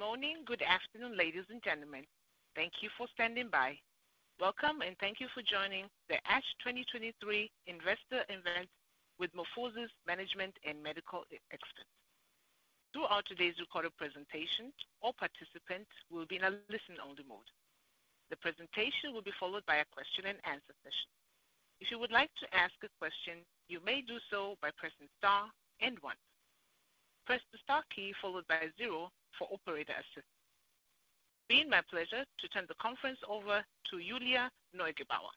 Good morning, good afternoon, ladies and gentlemen. Thank you for standing by. Welcome, and thank you for joining the ASH 2023 Investor Event with MorphoSys management and medical experts. Throughout today's recorded presentation, all participants will be in a listen-only mode. The presentation will be followed by a question and answer session. If you would like to ask a question, you may do so by pressing star and one. Press the star key followed by a zero for operator assistance. It's been my pleasure to turn the conference over to Julia Neugebauer.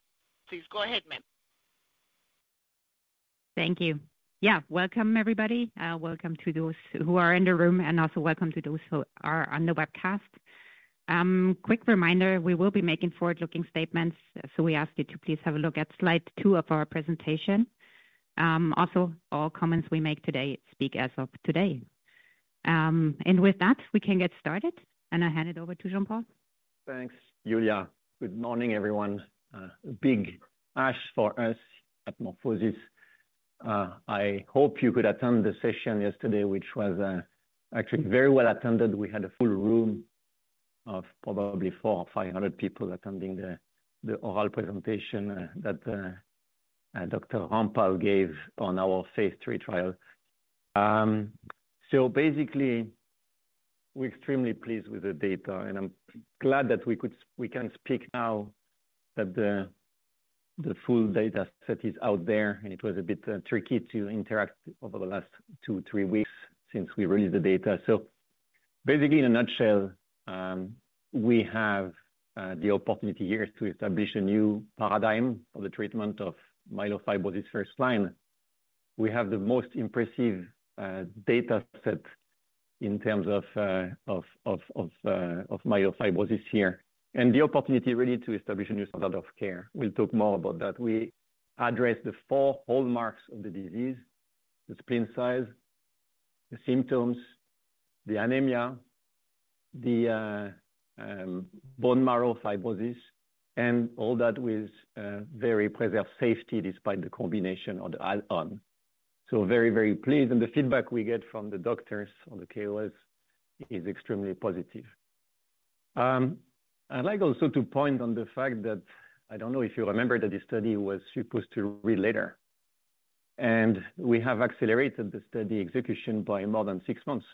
Please go ahead, ma'am. Thank you. Yeah, welcome, everybody, welcome to those who are in the room, and also welcome to those who are on the webcast. Quick reminder, we will be making forward-looking statements, so we ask you to please have a look at slide two of our presentation. Also, all comments we make today speak as of today. And with that, we can get started, and I hand it over to Jean-Paul. Thanks, Julia. Good morning, everyone. Big ASH for us at MorphoSys. I hope you could attend the session yesterday, which was actually very well attended. We had a full room of probably 400 or 500 people attending the oral presentation that Dr. Rampal gave on our phase III trial. Basically, we're extremely pleased with the data, and I'm glad that we could—we can speak now that the full data set is out there, and it was a bit tricky to interact over the last two or three weeks since we released the data. So basically, in a nutshell, we have the opportunity here to establish a new paradigm of the treatment of myelofibrosis first line. We have the most impressive data set in terms of myelofibrosis here and the opportunity really to establish a new standard of care. We'll talk more about that. We address the four hallmarks of the disease: the spleen size, the symptoms, the anemia, the bone marrow fibrosis, and all that with very pleasant safety despite the combination or the add on. So very, very pleased, and the feedback we get from the doctors on the KOLs is extremely positive. I'd like also to point on the fact that I don't know if you remember that the study was supposed to read later, and we have accelerated the study execution by more than six months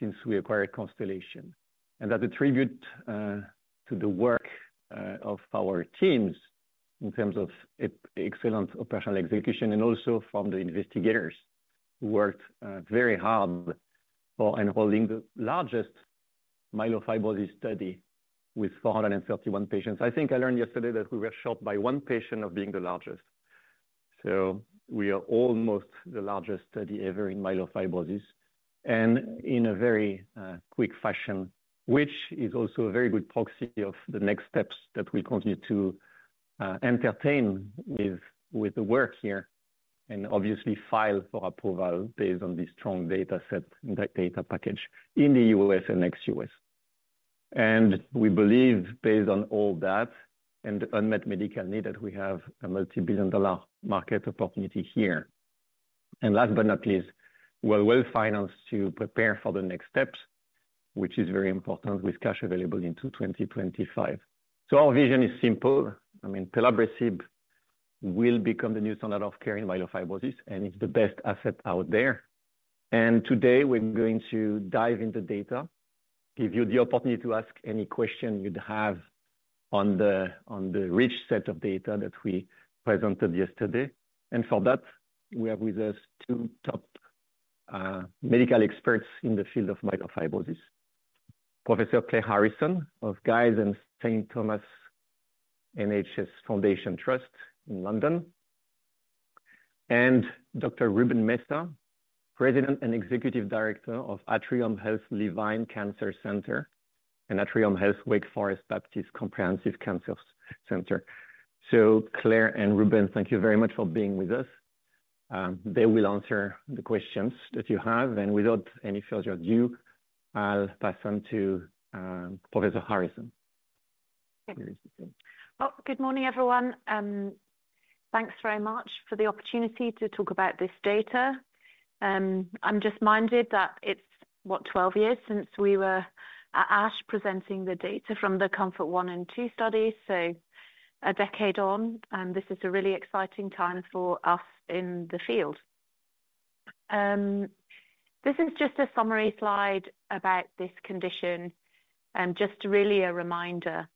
since we acquired Constellation. That's a tribute to the work of our teams in terms of excellent operational execution and also from the investigators who worked very hard for enrolling the largest myelofibrosis study with 431 patients. I think I learned yesterday that we were short by one patient of being the largest. So we are almost the largest study ever in myelofibrosis and in a very quick fashion, which is also a very good proxy of the next steps that we continue to entertain with the work here, and obviously file for approval based on this strong data set, that data package in the U.S. and ex-U.S. And we believe based on all that and unmet medical need, that we have a multi-billion dollar market opportunity here. Last but not least, we're well-financed to prepare for the next steps, which is very important with cash available into 2025. So our vision is simple. I mean, pelabresib will become the new standard of care in myelofibrosis, and it's the best asset out there. And today we're going to dive into data, give you the opportunity to ask any question you'd have on the, on the rich set of data that we presented yesterday. And for that, we have with us two top medical experts in the field of myelofibrosis. Professor Claire Harrison of Guy's and St Thomas' NHS Foundation Trust in London, and Dr. Ruben Mesa, President and Executive Director of Atrium Health Levine Cancer Institute and Atrium Health Wake Forest Baptist Comprehensive Cancer Center. So Claire and Ruben, thank you very much for being with us. They will answer the questions that you have, and without any further ado, I'll pass on to Professor Harrison. Well, good morning, everyone. Thanks very much for the opportunity to talk about this data. I'm just minded that it's, what, 12 years since we were at ASH, presenting the data from the COMFORT-I and COMFORT-II studies. So a decade on, this is a really exciting time for us in the field. This is just a summary slide about this condition and just really a reminder.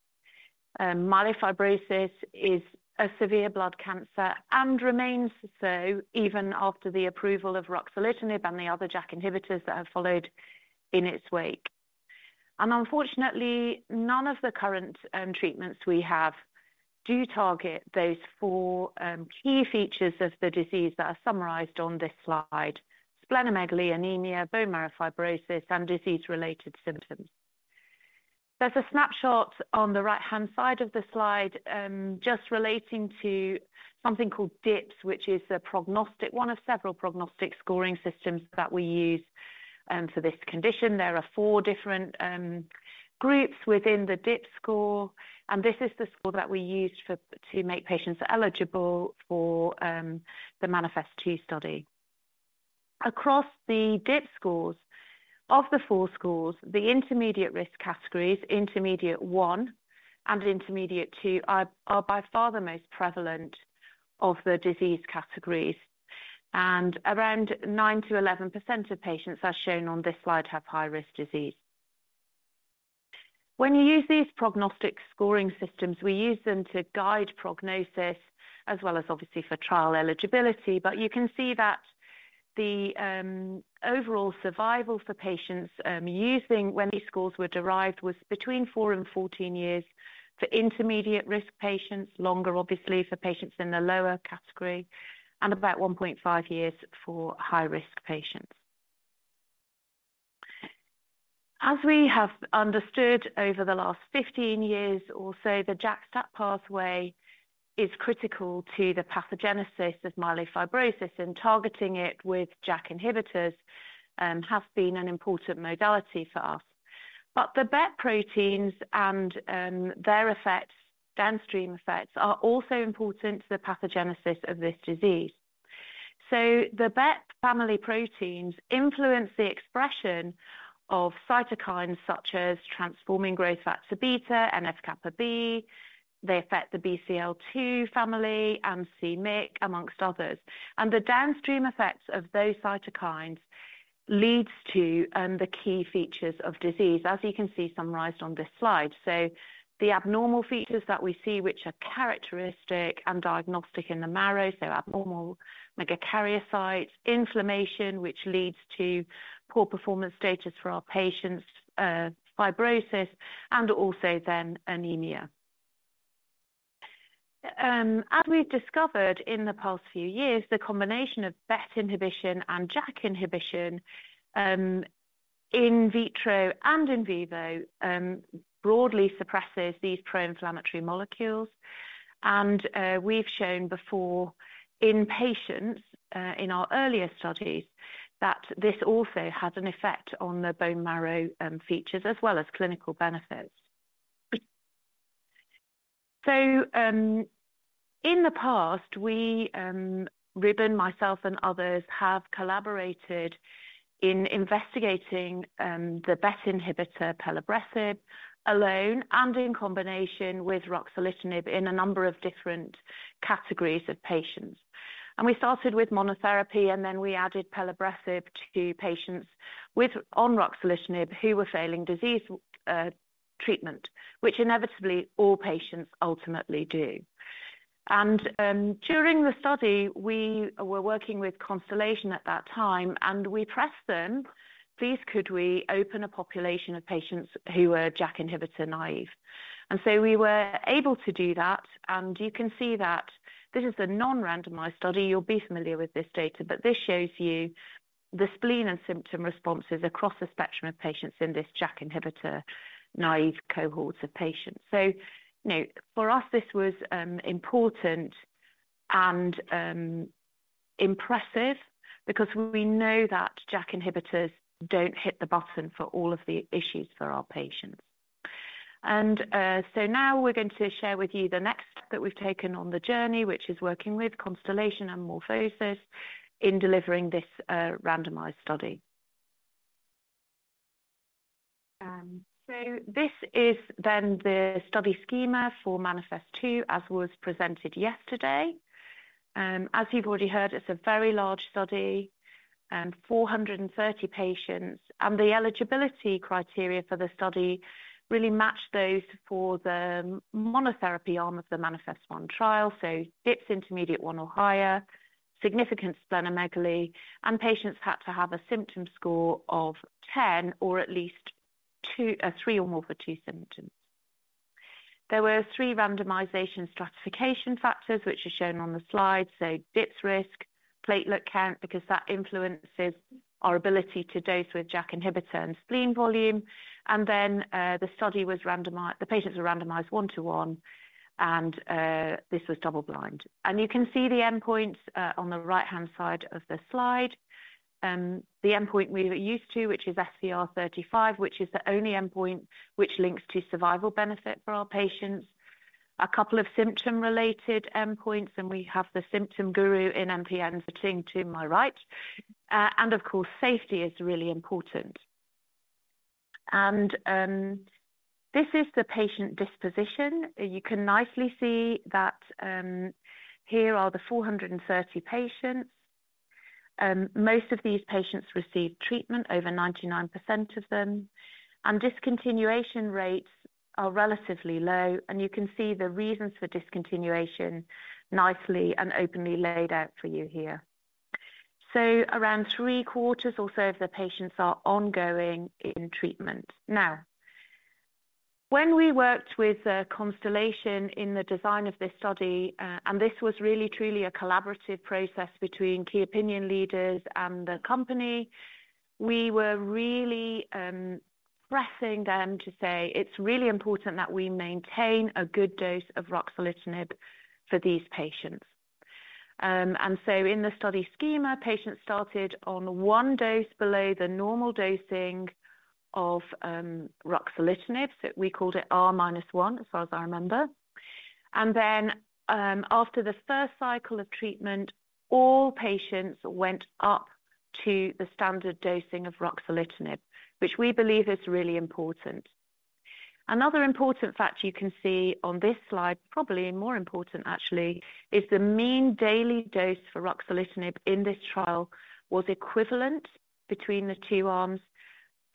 Myelofibrosis is a severe blood cancer and remains so even after the approval of ruxolitinib and the other JAK inhibitors that have followed in its wake. And unfortunately, none of the current treatments we have do target those four key features of the disease that are summarized on this slide: splenomegaly, anemia, bone marrow fibrosis, and disease-related symptoms. There's a snapshot on the right-hand side of the slide, just relating to something called DIPSS, which is a prognostic, one of several prognostic scoring systems that we use, for this condition. There are four different groups within the DIPSS score, and this is the score that we used for, to make patients eligible for, the MANIFEST-2 study. Across the DIPSS scores, of the four scores, the intermediate risk categories, intermediate one and intermediate two, are by far the most prevalent of the disease categories, and around 9%-11% of patients, as shown on this slide, have high-risk disease. When you use these prognostic scoring systems, we use them to guide prognosis as well as obviously for trial eligibility. But you can see that the overall survival for patients using when these scores were derived was between four and 14 years for intermediate-risk patients, longer obviously for patients in the lower category, and about 1.5 years for high-risk patients. As we have understood over the last 15 years or so, the JAK-STAT pathway is critical to the pathogenesis of myelofibrosis, and targeting it with JAK inhibitors has been an important modality for us. But the BET proteins and their effects, downstream effects, are also important to the pathogenesis of this disease. So the BET family proteins influence the expression of cytokines such as transforming growth factor-beta, NF-κB. They affect the Bcl-2 family and c-Myc, among others. And the downstream effects of those cytokines leads to the key features of disease, as you can see summarized on this slide. So the abnormal features that we see, which are characteristic and diagnostic in the marrow, so abnormal megakaryocytes, inflammation, which leads to poor performance status for our patients, fibrosis, and also then anemia. As we've discovered in the past few years, the combination of BET inhibition and JAK inhibition, in vitro and in vivo, broadly suppresses these pro-inflammatory molecules. And we've shown before in patients, in our earlier studies, that this also has an effect on the bone marrow, features as well as clinical benefits. So, in the past, we, Ruben, myself, and others, have collaborated in investigating, the BET inhibitor pelabresib alone and in combination with ruxolitinib in a number of different categories of patients. And we started with monotherapy, and then we added pelabresib to patients with... on ruxolitinib who were failing disease, treatment, which inevitably all patients ultimately do. And, during the study, we were working with Constellation at that time, and we pressed them, "Please, could we open a population of patients who were JAK inhibitor-naive?" And so we were able to do that, and you can see that this is a non-randomized study. You'll be familiar with this data, but this shows you the spleen and symptom responses across a spectrum of patients in this JAK inhibitor-naive cohort of patients. So you know, for us, this was important and impressive because we know that JAK inhibitors don't hit the button for all of the issues for our patients. And, so now we're going to share with you the next step that we've taken on the journey, which is working with Constellation and MorphoSys in delivering this randomized study. So this is then the study schema for MANIFEST-2, as was presented yesterday. As you've already heard, it's a very large study and 430 patients, and the eligibility criteria for the study really matched those for the monotherapy arm of the MANIFEST-1 trial. So DIPSS intermediate-1 or higher, significant splenomegaly, and patients had to have a symptom score of 10 or at least two, three or more for two symptoms. There were three randomization stratification factors, which are shown on the slide. So DIPSS risk, platelet count, because that influences our ability to dose with JAK inhibitor and spleen volume. And then, the study was randomized. The patients were randomized one to one, and this was double-blind. And you can see the endpoints on the right-hand side of the slide. The endpoint we're used to, which is SVR35, which is the only endpoint which links to survival benefit for our patients. A couple of symptom-related endpoints, and we have the symptom guru in MPN sitting to my right. And of course, safety is really important. And this is the patient disposition. You can nicely see that, here are the 430 patients. Most of these patients received treatment, over 99% of them, and discontinuation rates are relatively low, and you can see the reasons for discontinuation nicely and openly laid out for you here. So around three-quarters or so of the patients are ongoing in treatment. Now, when we worked with Constellation in the design of this study, and this was really, truly a collaborative process between key opinion leaders and the company, we were really pressing them to say, "It's really important that we maintain a good dose of ruxolitinib for these patients." And so in the study schema, patients started on one dose below the normal dosing of ruxolitinib, so we called it R minus one, as far as I remember. And then, after the first cycle of treatment, all patients went up to the standard dosing of ruxolitinib, which we believe is really important. Another important fact you can see on this slide, probably more important actually, is the mean daily dose for ruxolitinib in this trial was equivalent between the two arms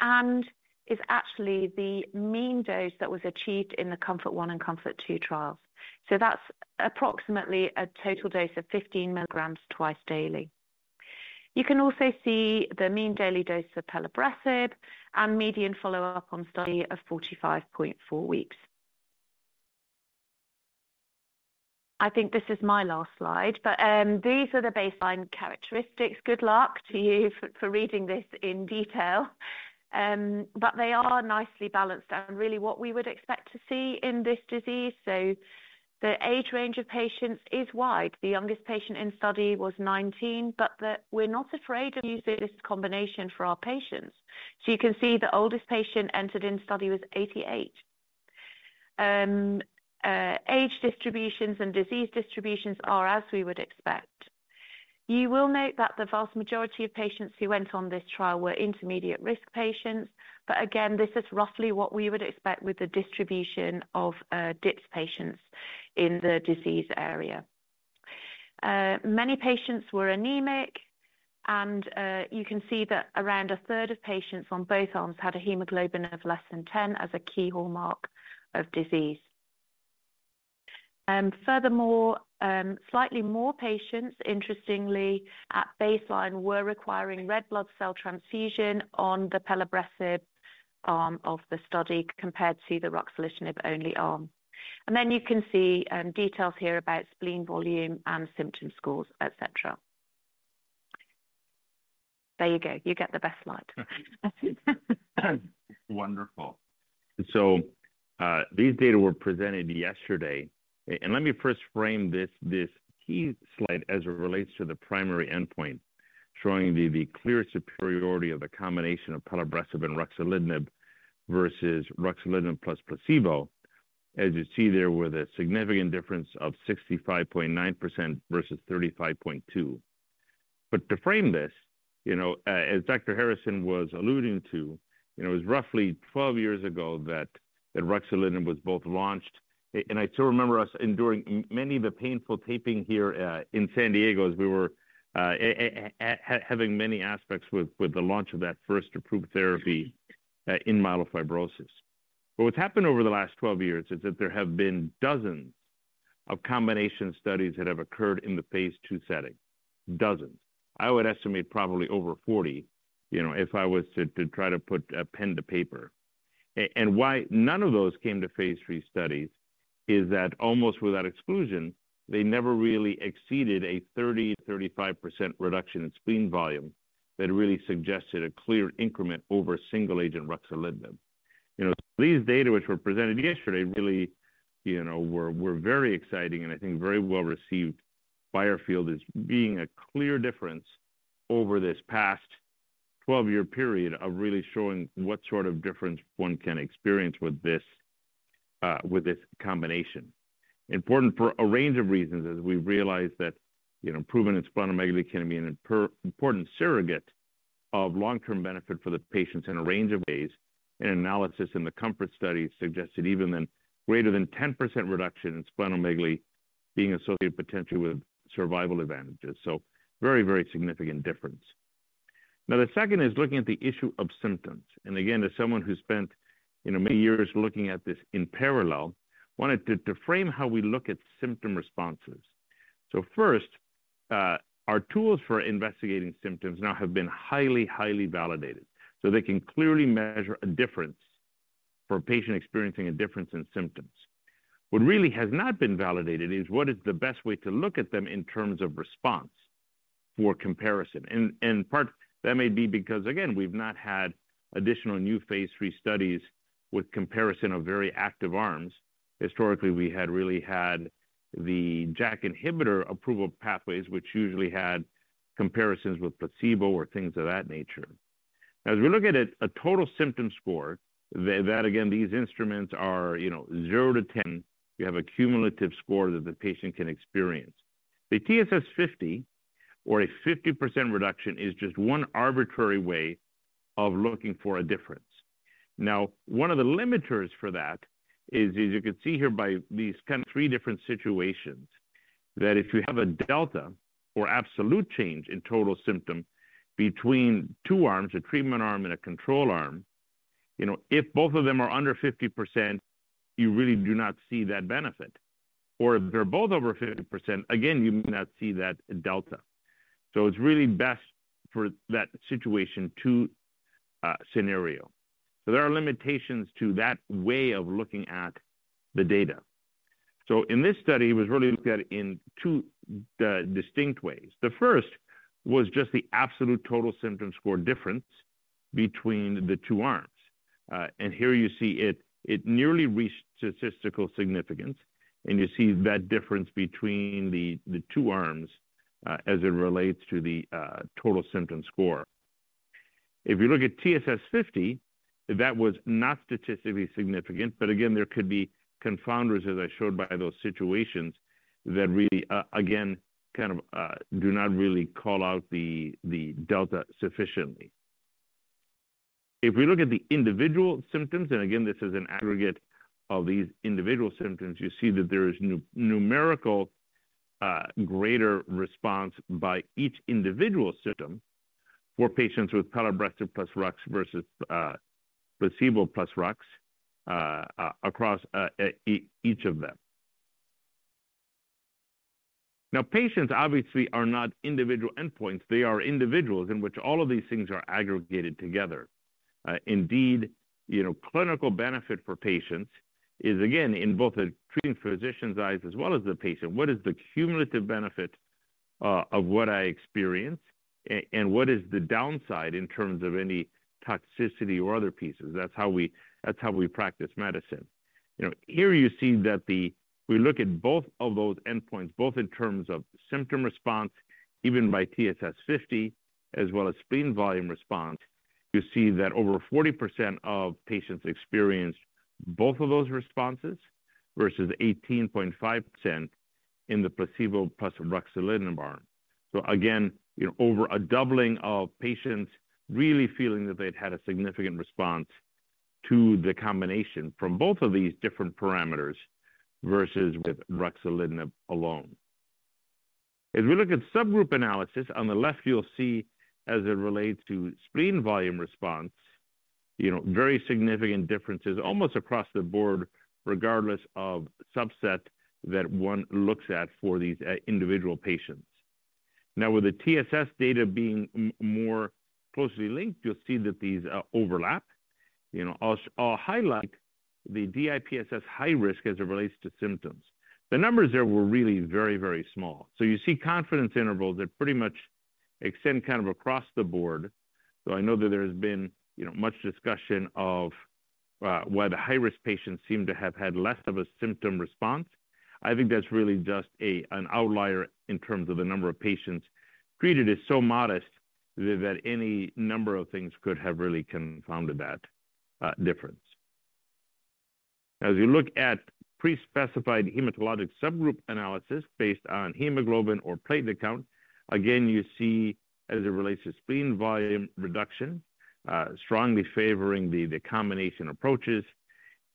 and is actually the mean dose that was achieved in the COMFORT-I and COMFORT-II trials. So that's approximately a total dose of 15 mg twice daily. You can also see the mean daily dose of pelabresib and median follow-up on study of 45.4 weeks. I think this is my last slide, but these are the baseline characteristics. Good luck to you for reading this in detail, but they are nicely balanced and really what we would expect to see in this disease. So the age range of patients is wide. The youngest patient in study was 19, but the... We're not afraid of using this combination for our patients. So you can see the oldest patient entered in study was 88. Age distributions and disease distributions are as we would expect. You will note that the vast majority of patients who went on this trial were intermediate-risk patients, but again, this is roughly what we would expect with the distribution of DIPSS patients in the disease area. Many patients were anemic, and you can see that around a third of patients on both arms had a hemoglobin of less than 10 as a key hallmark of disease. Furthermore, slightly more patients, interestingly, at baseline, were requiring red blood cell transfusion on the pelabresib arm of the study compared to the ruxolitinib-only arm. And then you can see details here about spleen volume and symptom scores, et cetera. There you go. You get the best slide. Wonderful. So, these data were presented yesterday, and let me first frame this, this key slide as it relates to the primary endpoint, showing the clear superiority of the combination of pelabresib and ruxolitinib versus ruxolitinib plus placebo, as you see there, with a significant difference of 65.9% versus 35.2%. But to frame this, you know, as Dr. Harrison was alluding to, you know, it was roughly 12 years ago that ruxolitinib was both launched. And I still remember us enduring many of the painful teething here, in San Diego as we were having many aspects with the launch of that first approved therapy, in myelofibrosis. But what's happened over the last 12 years is that there have been dozens of combination studies that have occurred in the phase II setting. Dozens. I would estimate probably over 40, you know, if I was to try to put pen to paper. And why none of those came to phase III studies is that almost without exclusion, they never really exceeded a 35% reduction in spleen volume that really suggested a clear increment over single-agent ruxolitinib. You know, these data, which were presented yesterday, really, you know, were very exciting and I think very well received by our field as being a clear difference over this past 12-year period of really showing what sort of difference one can experience with this, with this combination. Important for a range of reasons, as we've realized that, you know, improvement in splenomegaly can be an important surrogate of long-term benefit for the patients in a range of ways, and analysis in the COMFORT studies suggested even then, greater than 10% reduction in splenomegaly being associated potentially with survival advantages. So very, very significant difference. Now, the second is looking at the issue of symptoms, and again, as someone who spent, you know, many years looking at this in parallel, wanted to frame how we look at symptom responses. So first, our tools for investigating symptoms now have been highly, highly validated, so they can clearly measure a difference for a patient experiencing a difference in symptoms. What really has not been validated is what is the best way to look at them in terms of response for comparison. In part, that may be because, again, we've not had additional new phase III studies with comparison of very active arms. Historically, we had really had the JAK inhibitor approval pathways, which usually had comparisons with placebo or things of that nature. As we look at it, a total symptom score, that, again, these instruments are, you know, zero to 10. You have a cumulative score that the patient can experience. The TSS 50 or a 50% reduction is just one arbitrary way of looking for a difference. Now, one of the limiters for that is, as you can see here by these kind of three different situations, that if you have a delta or absolute change in total symptom between two arms, a treatment arm and a control arm, you know, if both of them are under 50%, you really do not see that benefit. Or if they're both over 50%, again, you may not see that delta. So it's really best for that situation two, scenario. So there are limitations to that way of looking at the data. So in this study, it was really looked at in two, distinct ways. The first was just the absolute total symptom score difference between the two arms. And here you see it, it nearly reached statistical significance, and you see that difference between the, the two arms, as it relates to the, total symptom score. If you look at TSS 50, that was not statistically significant, but again, there could be confounders, as I showed by those situations, that really, again, kind of, do not really call out the, the delta sufficiently. If we look at the individual symptoms, and again, this is an aggregate of these individual symptoms, you see that there is numerical, greater response by each individual symptom for patients with pelabresib plus rux versus, placebo plus rux, across, each of them. Now, patients obviously are not individual endpoints. They are individuals in which all of these things are aggregated together. Indeed, you know, clinical benefit for patients is, again, in both the treating physician's eyes as well as the patient. What is the cumulative benefit, of what I experience, and what is the downside in terms of any toxicity or other pieces? That's how we, that's how we practice medicine. You know, here you see that the... We look at both of those endpoints, both in terms of symptom response, even by TSS 50, as well as spleen volume response. You see that over 40% of patients experienced both of those responses, versus 18.5% in the placebo plus ruxolitinib arm. So again, you know, over a doubling of patients really feeling that they'd had a significant response to the combination from both of these different parameters versus with ruxolitinib alone. As we look at subgroup analysis, on the left, you'll see as it relates to spleen volume response, you know, very significant differences almost across the board, regardless of subset that one looks at for these individual patients. Now, with the TSS data being more closely linked, you'll see that these overlap. You know, I'll highlight the DIPSS high risk as it relates to symptoms. The numbers there were really very, very small. So you see confidence intervals that pretty much extend kind of across the board. So I know that there has been, you know, much discussion of why the high-risk patients seem to have had less of a symptom response. I think that's really just an outlier in terms of the number of patients treated as so modest that any number of things could have really confounded that difference. As you look at prespecified hematologic subgroup analysis based on hemoglobin or platelet count, again, you see, as it relates to spleen volume reduction, strongly favoring the combination approaches.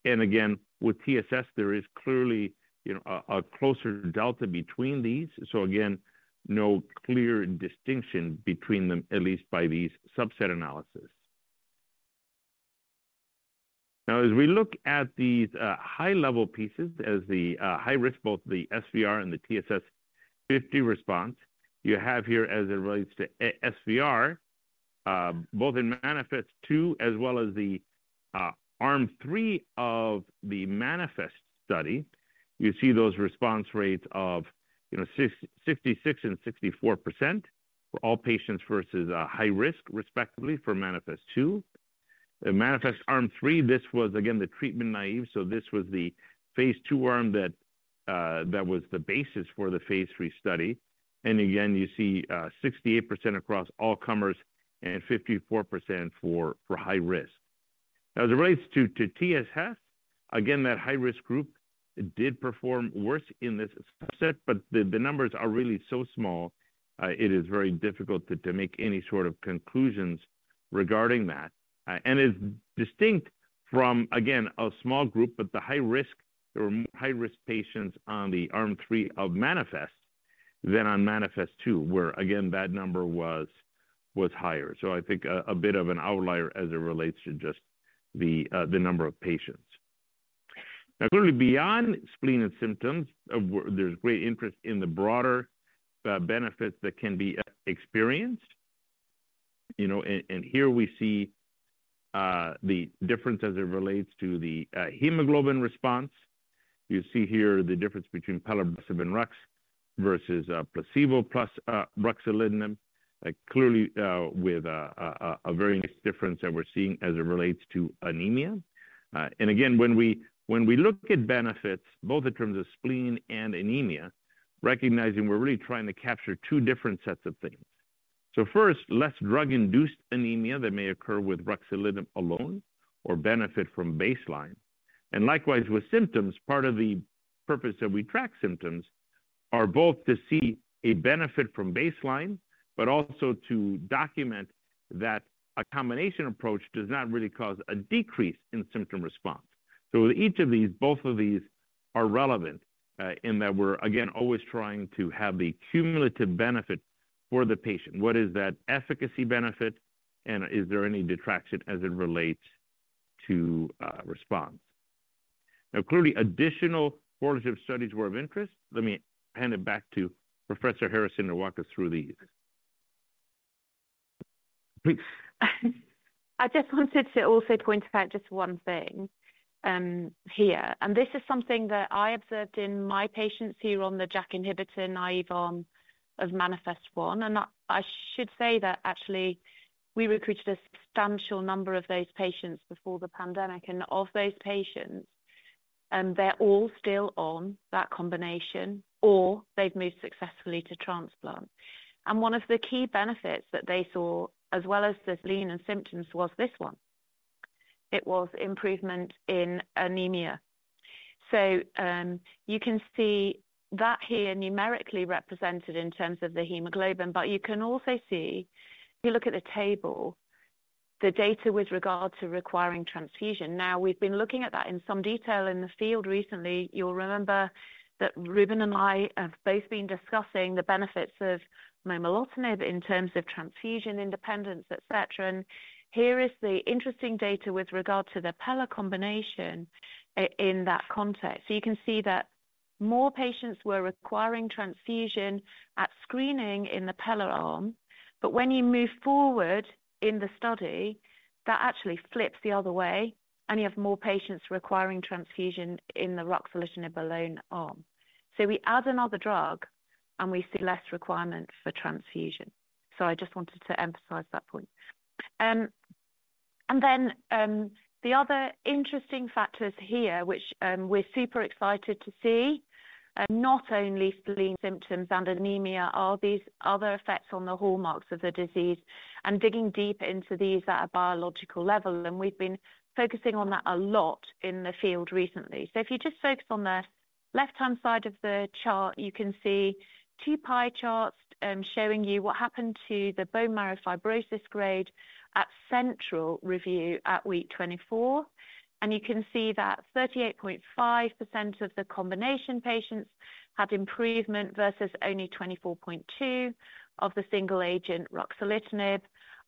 And again, with TSS, there is clearly, you know, a closer delta between these. So again, no clear distinction between them, at least by these subset analysis. Now, as we look at these high-level pieces, as the high risk, both the SVR and the TSS 50 response, you have here as it relates to a SVR, both in MANIFEST-2 as well as the arm three of the MANIFEST study. You see those response rates of, you know, 66% and 64% for all patients versus high risk, respectively, for MANIFEST-2. The MANIFEST arm three, this was again, the treatment-naïve, so this was the phase II arm that that was the basis for the phase III study. And again, you see 68% across all comers and 54% for high risk. As it relates to TSS, again, that high-risk group did perform worse in this subset, but the numbers are really so small, it is very difficult to make any sort of conclusions regarding that. And it's distinct from, again, a small group, but the high risk, there were high-risk patients on the arm three of MANIFEST than on MANIFEST-2, where again, that number was higher. So I think a bit of an outlier as it relates to just the number of patients. Now, clearly beyond spleen and symptoms, we're, there's great interest in the broader benefits that can be experienced, you know, and here we see the difference as it relates to the hemoglobin response. You see here the difference between pelabresib and rux versus, placebo plus, ruxolitinib, clearly, with a very nice difference that we're seeing as it relates to anemia. And again, when we look at benefits, both in terms of spleen and anemia, recognizing we're really trying to capture two different sets of things. So first, less drug-induced anemia that may occur with ruxolitinib alone or benefit from baseline. And likewise, with symptoms, part of the purpose that we track symptoms are both to see a benefit from baseline, but also to document that a combination approach does not really cause a decrease in symptom response. So each of these, both of these are relevant, in that we're, again, always trying to have the cumulative benefit for the patient. What is that efficacy benefit, and is there any detraction as it relates to response? Now, clearly, additional formative studies were of interest. Let me hand it back to Professor Harrison to walk us through these. Please. I just wanted to also point out just one thing, here, and this is something that I observed in my patients who were on the JAK inhibitor-naïve arm of MANIFEST-1. I should say that actually we recruited a substantial number of those patients before the pandemic, and of those patients, and they're all still on that combination, or they've moved successfully to transplant. One of the key benefits that they saw, as well as the spleen and symptoms, was this one. It was improvement in anemia. So, you can see that here numerically represented in terms of the hemoglobin, but you can also see, if you look at the table, the data with regard to requiring transfusion. Now, we've been looking at that in some detail in the field recently. You'll remember that Ruben and I have both been discussing the benefits of momelotinib in terms of transfusion independence, et cetera. And here is the interesting data with regard to the Pela combination in that context. So you can see that more patients were requiring transfusion at screening in the Pela arm, but when you move forward in the study, that actually flips the other way, and you have more patients requiring transfusion in the ruxolitinib alone arm. So we add another drug, and we see less requirement for transfusion. So I just wanted to emphasize that point. And then, the other interesting factors here, which, we're super excited to see, are not only spleen symptoms and anemia, are these other effects on the hallmarks of the disease, and digging deeper into these at a biological level. We've been focusing on that a lot in the field recently. So if you just focus on the left-hand side of the chart, you can see two pie charts, showing you what happened to the bone marrow fibrosis grade at central review at week 24. And you can see that 38.5% of the combination patients had improvement versus only 24.2% of the single agent, ruxolitinib.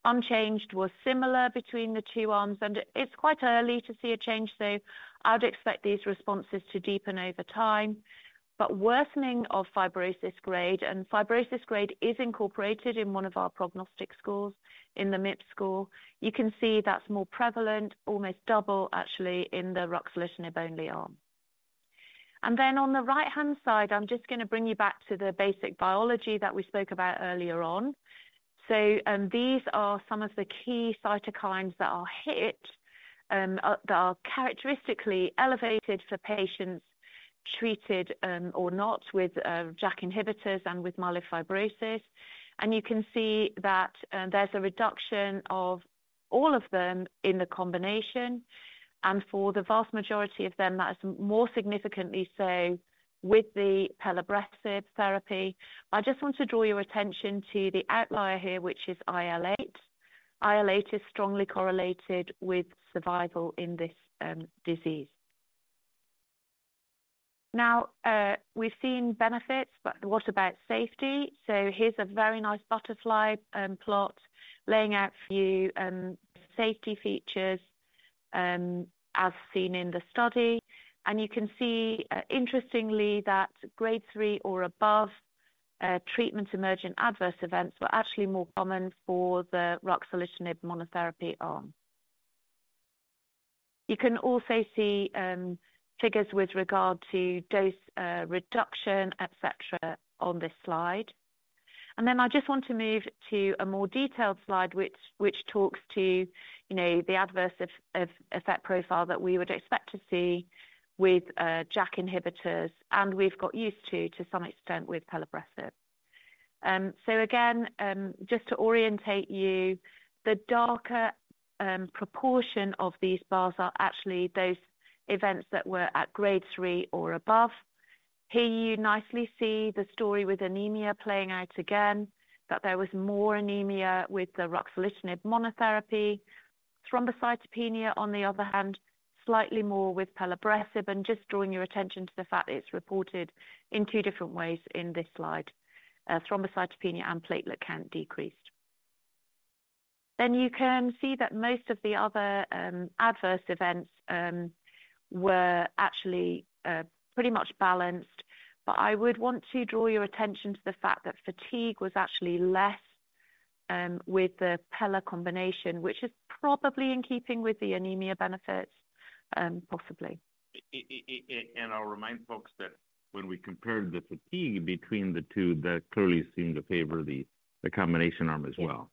Unchanged was similar between the two arms, and it's quite early to see a change, so I'd expect these responses to deepen over time. But worsening of fibrosis grade, and fibrosis grade is incorporated in one of our prognostic scores, in the MIPSS score. You can see that's more prevalent, almost double, actually, in the ruxolitinib-only arm. And then on the right-hand side, I'm just gonna bring you back to the basic biology that we spoke about earlier on. So, these are some of the key cytokines that are hit, that are characteristically elevated for patients treated, or not, with JAK inhibitors and with myelofibrosis. And you can see that, there's a reduction of all of them in the combination, and for the vast majority of them, that is more significantly so with the pelabresib therapy. I just want to draw your attention to the outlier here, which is IL-8. IL-8 is strongly correlated with survival in this disease. Now, we've seen benefits, but what about safety? So here's a very nice butterfly plot laying out for you safety features, as seen in the study. You can see, interestingly, that grade three or above treatment-emergent adverse events were actually more common for the ruxolitinib monotherapy arm. You can also see figures with regard to dose reduction, et cetera, on this slide. I just want to move to a more detailed slide, which talks to, you know, the adverse effect profile that we would expect to see with JAK inhibitors, and we've got used to some extent with pelabresib. So again, just to orientate you, the darker proportion of these bars are actually those events that were at grade three or above. Here, you nicely see the story with anemia playing out again, that there was more anemia with the ruxolitinib monotherapy. Thrombocytopenia, on the other hand, slightly more with pelabresib, and just drawing your attention to the fact that it's reported in two different ways in this slide, thrombocytopenia and platelet count decreased. Then you can see that most of the other adverse events were actually pretty much balanced. But I would want to draw your attention to the fact that fatigue was actually less with the Pela combination, which is probably in keeping with the anemia benefits, possibly. I'll remind folks that when we compared the fatigue between the two, that clearly seemed to favor the combination arm as well.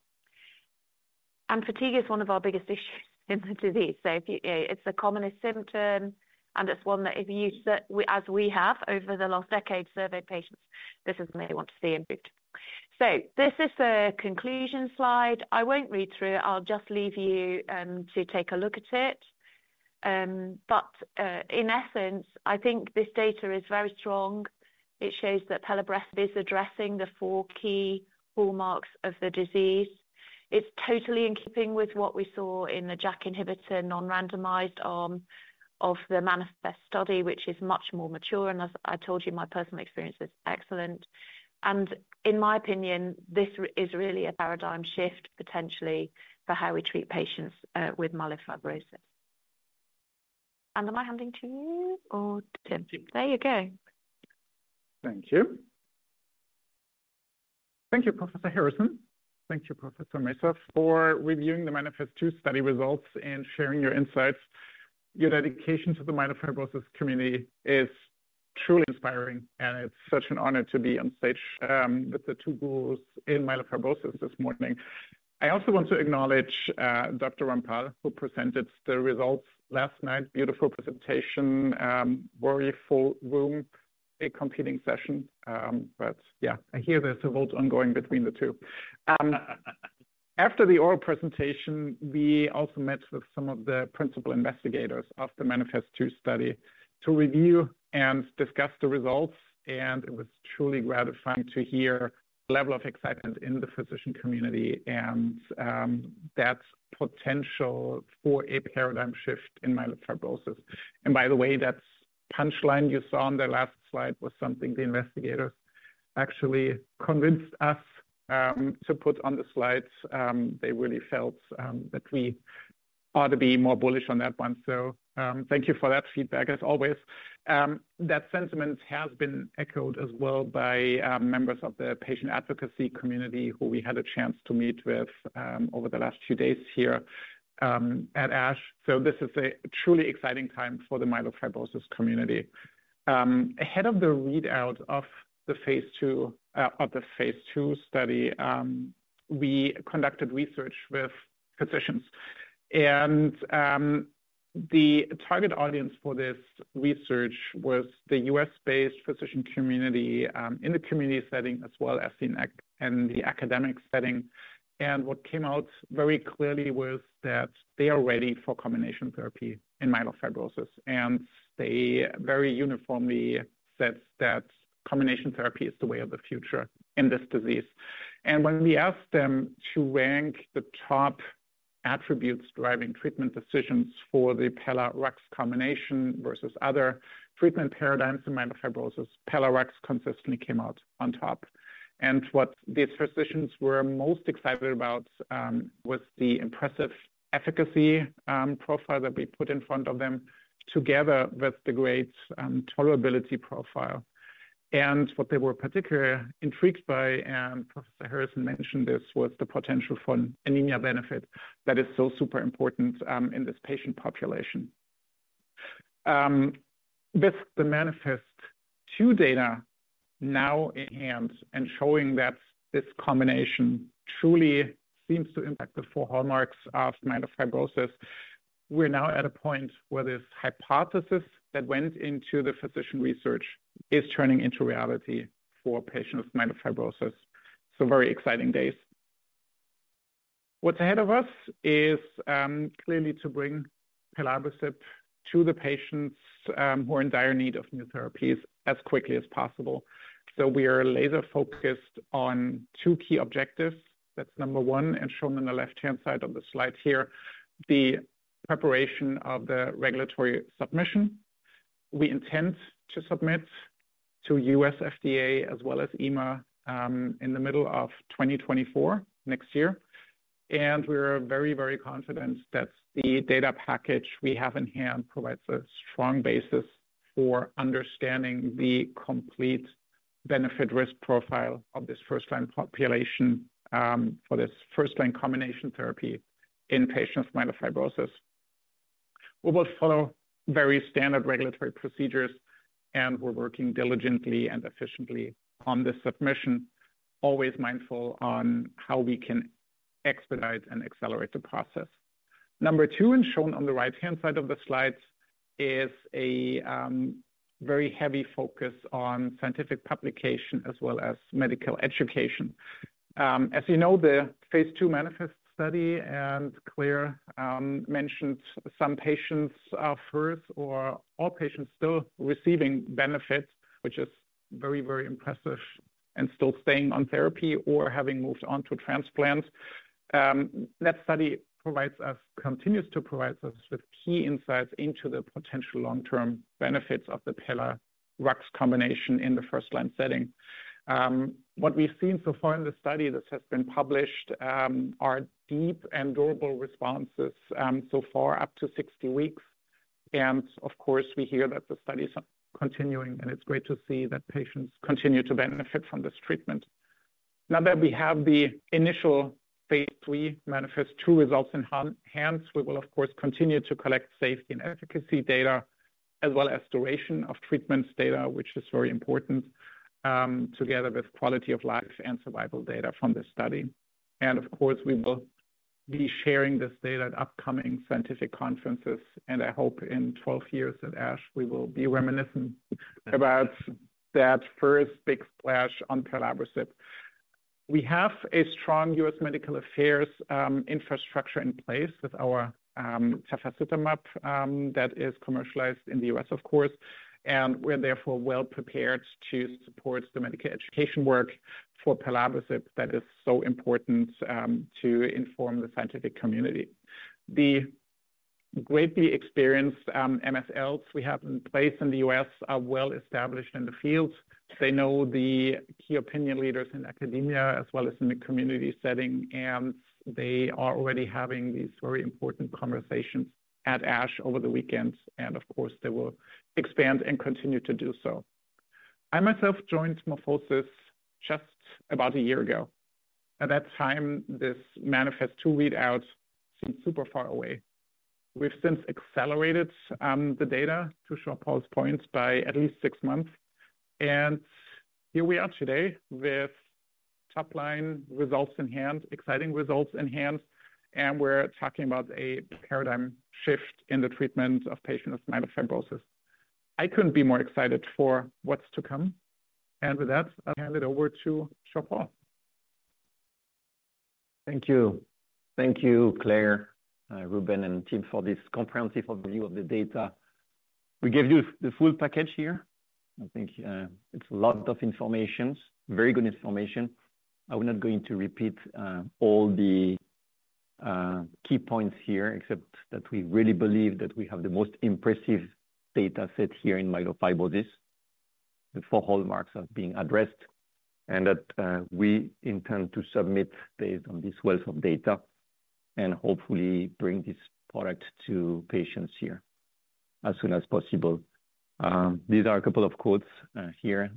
And fatigue is one of our biggest issues in the disease. It's the commonest symptom, and it's one that we, as we have over the last decade, surveyed patients, this is what they want to see improved. So this is the conclusion slide. I won't read through it. I'll just leave you to take a look at it. But in essence, I think this data is very strong. It shows that pelabresib is addressing the four key hallmarks of the disease. It's totally in keeping with what we saw in the JAK inhibitor non-randomized arm of the MANIFEST study, which is much more mature, and as I told you, my personal experience is excellent. And in my opinion, this is really a paradigm shift, potentially, for how we treat patients with myelofibrosis. And am I handing to you or Tim? There you go. Thank you. Thank you, Professor Harrison. Thank you, Professor Mesa, for reviewing the MANIFEST-2 study results and sharing your insights. Your dedication to the myelofibrosis community is truly inspiring, and it's such an honor to be on stage with the two gurus in myelofibrosis this morning. I also want to acknowledge Dr. Rampal, who presented the results last night. Beautiful presentation, very full room, a competing session. But yeah, I hear there's a vote ongoing between the two. After the oral presentation, we also met with some of the principal investigators of the MANIFEST-2 study to review and discuss the results, and it was truly gratifying to hear level of excitement in the physician community and that potential for a paradigm shift in myelofibrosis. By the way, that punchline you saw on the last slide was something the investigators actually convinced us to put on the slides. They really felt that we ought to be more bullish on that one. So, thank you for that feedback, as always. That sentiment has been echoed as well by members of the patient advocacy community, who we had a chance to meet with over the last few days here at ASH. So this is a truly exciting time for the myelofibrosis community. Ahead of the readout of the phase II of the phase II study, we conducted research with physicians. The target audience for this research was the U.S.-based physician community in the community setting, as well as in the academic setting. What came out very clearly was that they are ready for combination therapy in myelofibrosis, and they very uniformly said that combination therapy is the way of the future in this disease. When we asked them to rank the top attributes driving treatment decisions for the Pela/Rux combination versus other treatment paradigms in myelofibrosis, Pela/Rux consistently came out on top. What these physicians were most excited about was the impressive efficacy profile that we put in front of them together with the great tolerability profile. What they were particularly intrigued by, and Professor Harrison mentioned this, was the potential for anemia benefit that is so super important in this patient population. With the MANIFEST-2 data now in hand and showing that this combination truly seems to impact the four hallmarks of myelofibrosis, we're now at a point where this hypothesis that went into the physician research is turning into reality for patients with myelofibrosis. So very exciting days. What's ahead of us is, clearly to bring pelabresib to the patients, who are in dire need of new therapies as quickly as possible. So we are laser-focused on two key objectives. That's number one, and shown on the left-hand side of the slide here, the preparation of the regulatory submission. We intend to submit to U.S. FDA as well as EMA in the middle of 2024, next year, and we are very, very confident that the data package we have in hand provides a strong basis for understanding the complete benefit-risk profile of this first-line population for this first-line combination therapy in patients with myelofibrosis. We will follow very standard regulatory procedures, and we're working diligently and efficiently on this submission, always mindful on how we can expedite and accelerate the process. Number two, and shown on the right-hand side of the slides, is a very heavy focus on scientific publication as well as medical education. As you know, the phase II MANIFEST study and Claire mentioned some patients are first or all patients still receiving benefits, which is very, very impressive and still staying on therapy or having moved on to transplants. That study continues to provide us with key insights into the potential long-term benefits of the Pela/Rux combination in the first-line setting. What we've seen so far in the study that has been published are deep and durable responses so far up to 60 weeks. And of course, we hear that the study is continuing, and it's great to see that patients continue to benefit from this treatment. Now that we have the initial phase III MANIFEST-2 results in hands, we will of course continue to collect safety and efficacy data, as well as duration of treatments data, which is very important, together with quality of life and survival data from this study. Of course, we will be sharing this data at upcoming scientific conferences, and I hope in 12 years at ASH, we will be reminiscent about that first big splash on pelabresib. We have a strong U.S. medical affairs infrastructure in place with our tafasitamab that is commercialized in the U.S., of course, and we're therefore well prepared to support the medical education work for pelabresib that is so important to inform the scientific community. The greatly experienced MSLs we have in place in the U.S. are well established in the field. They know the key opinion leaders in academia as well as in the community setting, and they are already having these very important conversations at ASH over the weekend, and of course, they will expand and continue to do so. I myself joined MorphoSys just about a year ago. At that time, this MANIFEST-2 readout seemed super far away.... We've since accelerated the data, to Jean-Paul's points, by at least six months. Here we are today with top-line results in hand, exciting results in hand, and we're talking about a paradigm shift in the treatment of patients with myelofibrosis. I couldn't be more excited for what's to come, and with that, I'll hand it over to Jean-Paul. Thank you. Thank you, Claire, Ruben, and team for this comprehensive overview of the data. We gave you the full package here. I think, it's a lot of information, very good information. I'm not going to repeat, all the, key points here, except that we really believe that we have the most impressive data set here in myelofibrosis. The four hallmarks are being addressed, and that, we intend to submit based on this wealth of data and hopefully bring this product to patients here as soon as possible. These are a couple of quotes, here,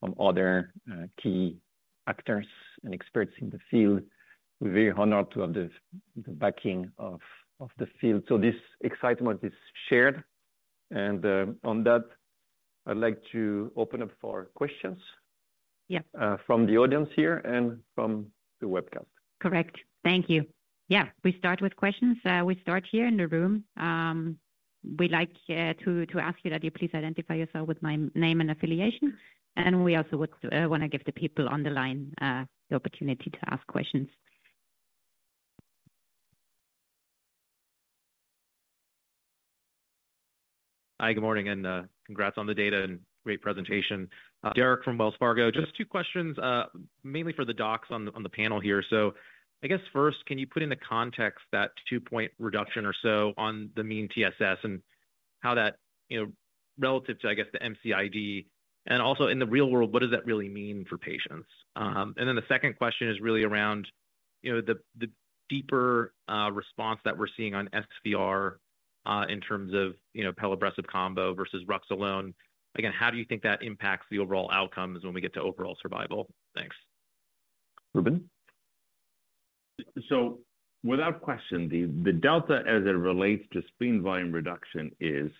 from other, key actors and experts in the field. We're very honored to have the, the backing of, of the field. So this excitement is shared, and, on that, I'd like to open up for questions- Yeah. from the audience here and from the webcast. Correct. Thank you. Yeah, we start with questions. We start here in the room. We like to ask you that you please identify yourself with your name and affiliation, and we also would want to give the people on the line the opportunity to ask questions. Hi, good morning, and congrats on the data and great presentation. Thanks. Derek from Wells Fargo. Just two questions, mainly for the docs on the, on the panel here. So I guess first, can you put in the context that 2-point reduction or so on the mean TSS and how that, you know, relative to, I guess, the MCID, and also in the real world, what does that really mean for patients? And then the second question is really around, you know, the, the deeper response that we're seeing on SVR, in terms of, you know, pelabresib combo versus rux alone. Again, how do you think that impacts the overall outcomes when we get to overall survival? Thanks. Ruben? So without question, the delta as it relates to spleen volume reduction is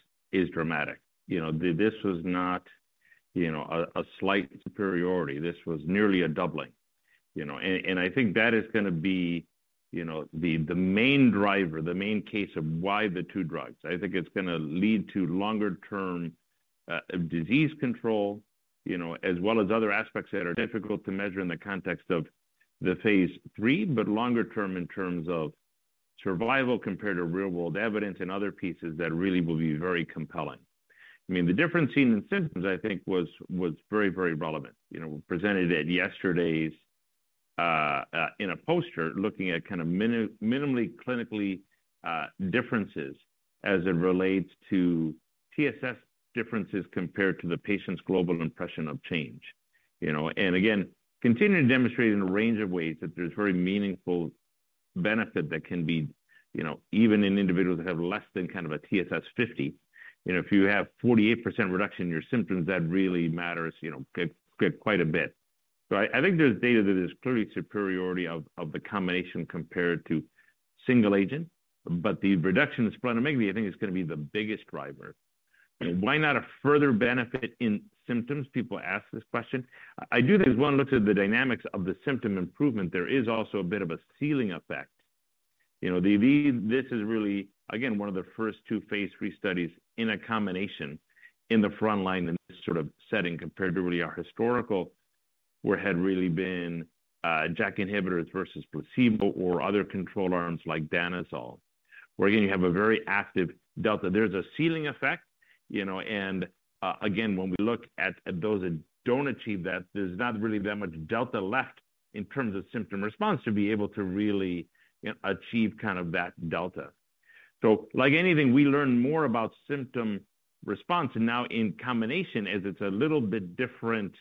dramatic. You know, this was not, you know, a slight superiority. This was nearly a doubling, you know, and I think that is gonna be, you know, the main driver, the main case of why the two drugs. I think it's gonna lead to longer-term disease control, you know, as well as other aspects that are difficult to measure in the context of the phase III, but longer term in terms of survival compared to real-world evidence and other pieces that really will be very compelling. I mean, the difference in the symptoms, I think was very, very relevant. You know, we presented at yesterday's in a poster, looking at kind of minimally clinically differences as it relates to TSS differences compared to the patient's global impression of change, you know. And again, continuing to demonstrate in a range of ways that there's very meaningful benefit that can be, you know, even in individuals that have less than kind of a TSS 50. You know, if you have 48% reduction in your symptoms, that really matters, you know, quite, quite a bit. So I think there's data that is clearly superiority of the combination compared to single agent, but the reduction in splenomegaly, I think, is gonna be the biggest driver. And why not a further benefit in symptoms? People ask this question. I do think as one looks at the dynamics of the symptom improvement, there is also a bit of a ceiling effect. You know, this is really, again, one of the first two phase III studies in a combination in the front line in this sort of setting, compared to really our historical, where had really been JAK inhibitors versus placebo or other control arms like danazol, where, again, you have a very active delta. There's a ceiling effect, you know, and again, when we look at those that don't achieve that, there's not really that much delta left in terms of symptom response to be able to really achieve kind of that delta. So, like anything, we learn more about symptom response, and now in combination, as it's a little bit different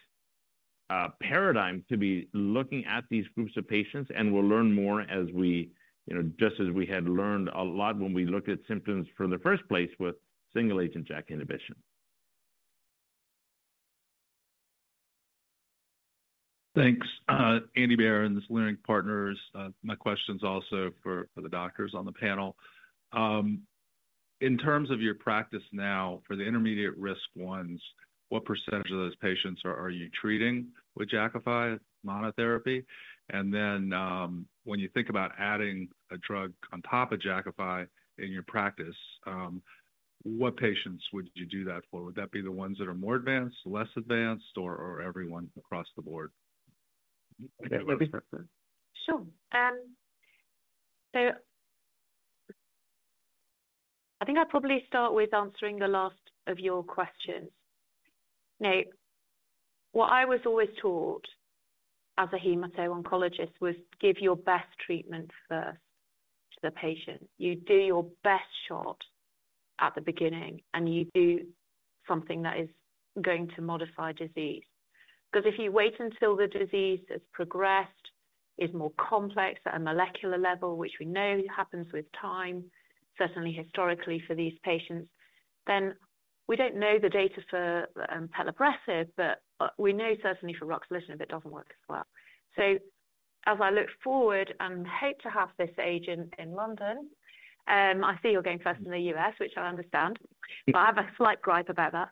paradigm to be looking at these groups of patients, and we'll learn more as we, you know, just as we had learned a lot when we looked at symptoms for the first place with single-agent JAK inhibition. Thanks. Andy Berens, Leerink Partners. My question is also for the doctors on the panel. In terms of your practice now for the intermediate risk ones, what percentage of those patients are you treating with Jakafi monotherapy? And then, when you think about adding a drug on top of Jakafi in your practice, what patients would you do that for? Would that be the ones that are more advanced, less advanced, or everyone across the board? Okay, Libby. Sure. So I think I'll probably start with answering the last of your questions. Now, what I was always taught as a hemato-oncologist was give your best treatment first to the patient. You do your best shot at the beginning, and you do something that is going to modify disease. Because if you wait until the disease has progressed, is more complex at a molecular level, which we know happens with time, certainly historically for these patients, then we don't know the data for pelabresib, but we know certainly for ruxolitinib, it doesn't work as well. As I look forward and hope to have this agent in London, I see you're going first in the U.S., which I understand, but I have a slight gripe about that.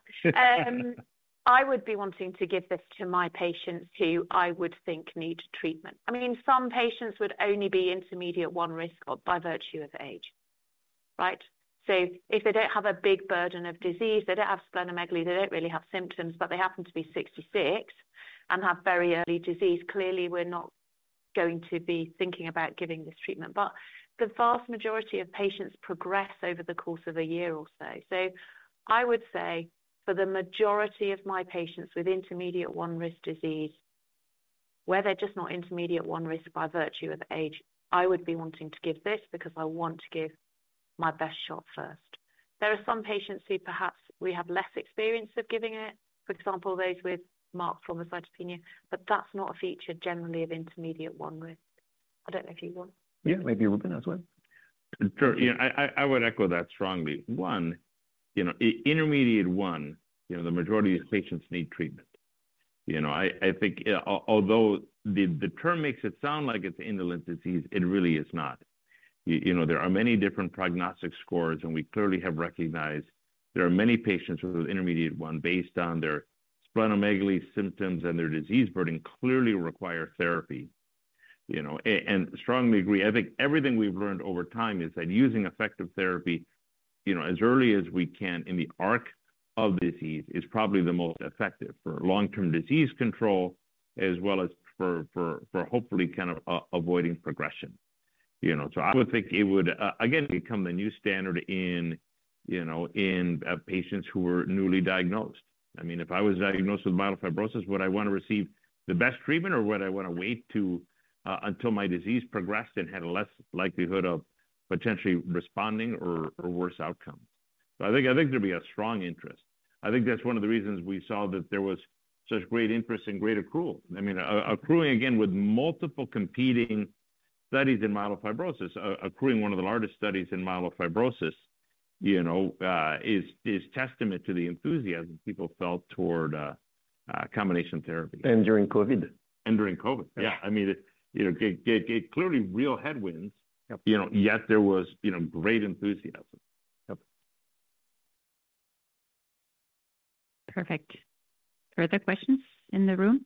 I would be wanting to give this to my patients who I would think need treatment. I mean, some patients would only be intermediate-1 risk by virtue of age, right? So if they don't have a big burden of disease, they don't have splenomegaly, they don't really have symptoms, but they happen to be 66 and have very early disease. Clearly, we're not going to be thinking about giving this treatment. But the vast majority of patients progress over the course of a year or so. So I would say for the majority of my patients with intermediate-1 risk disease, where they're just not intermediate-1 risk by virtue of age, I would be wanting to give this because I want to give my best shot first. There are some patients who perhaps we have less experience of giving it, for example, those with marked thrombocytopenia, but that's not a feature generally of intermediate-1 risk. I don't know if you want- Yeah, maybe Ruben as well. Sure. Yeah, I would echo that strongly. One, you know, intermediate one, you know, the majority of patients need treatment. You know, I think, although the term makes it sound like it's an indolent disease, it really is not. You know, there are many different prognostic scores, and we clearly have recognized there are many patients with intermediate one, based on their splenomegaly symptoms and their disease burden, clearly require therapy, you know. And strongly agree, I think everything we've learned over time is that using effective therapy, you know, as early as we can in the arc of disease, is probably the most effective for long-term disease control, as well as for hopefully kind of avoiding progression, you know. So I would think it would, again, become the new standard in, you know, in, patients who were newly diagnosed. I mean, if I was diagnosed with myelofibrosis, would I want to receive the best treatment, or would I want to wait to, until my disease progressed and had a less likelihood of potentially responding or, or worse outcome? So I think, I think there'd be a strong interest. I think that's one of the reasons we saw that there was such great interest and great accrual. I mean, accrual, again, with multiple competing studies in myelofibrosis, accrual in one of the largest studies in myelofibrosis, you know, is, is testament to the enthusiasm people felt toward, combination therapy. During COVID. During COVID. Yeah. Yeah. I mean, you know, it clearly real headwinds- Yep. You know, yet there was, you know, great enthusiasm. Yep. Perfect. Further questions in the room?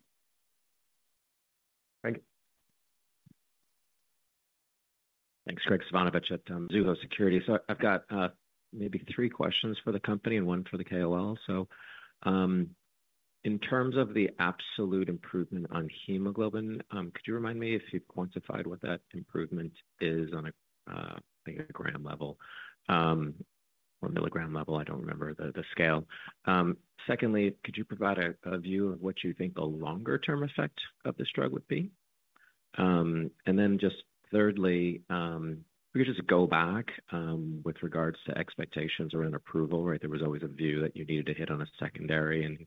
Greg. Thanks, Graig Suvannavejh at Mizuho Securities. So I've got, maybe three questions for the company and one for the KOL. So, in terms of the absolute improvement on hemoglobin, could you remind me if you've quantified what that improvement is on a, I think a gram level, or milligram level? I don't remember the, the scale. Secondly, could you provide a, a view of what you think the longer-term effect of this drug would be? And then just thirdly, if you could just go back, with regards to expectations around approval, right? There was always a view that you needed to hit on a secondary and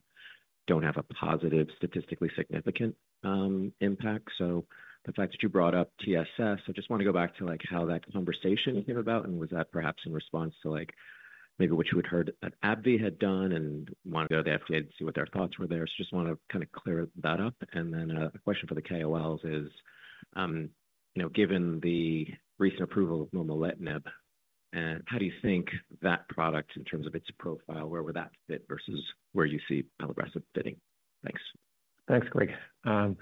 don't have a positive, statistically significant, impact. So the fact that you brought up TSS, I just want to go back to, like, how that conversation came about, and was that perhaps in response to like, maybe what you had heard that AbbVie had done and wanted to go to the FDA to see what their thoughts were there. So just want to kind of clear that up. And then a question for the KOLs is, you know, given the recent approval of momelotinib, how do you think that product, in terms of its profile, where would that fit versus where you see pelabresib fitting? Thanks. Thanks, Greg.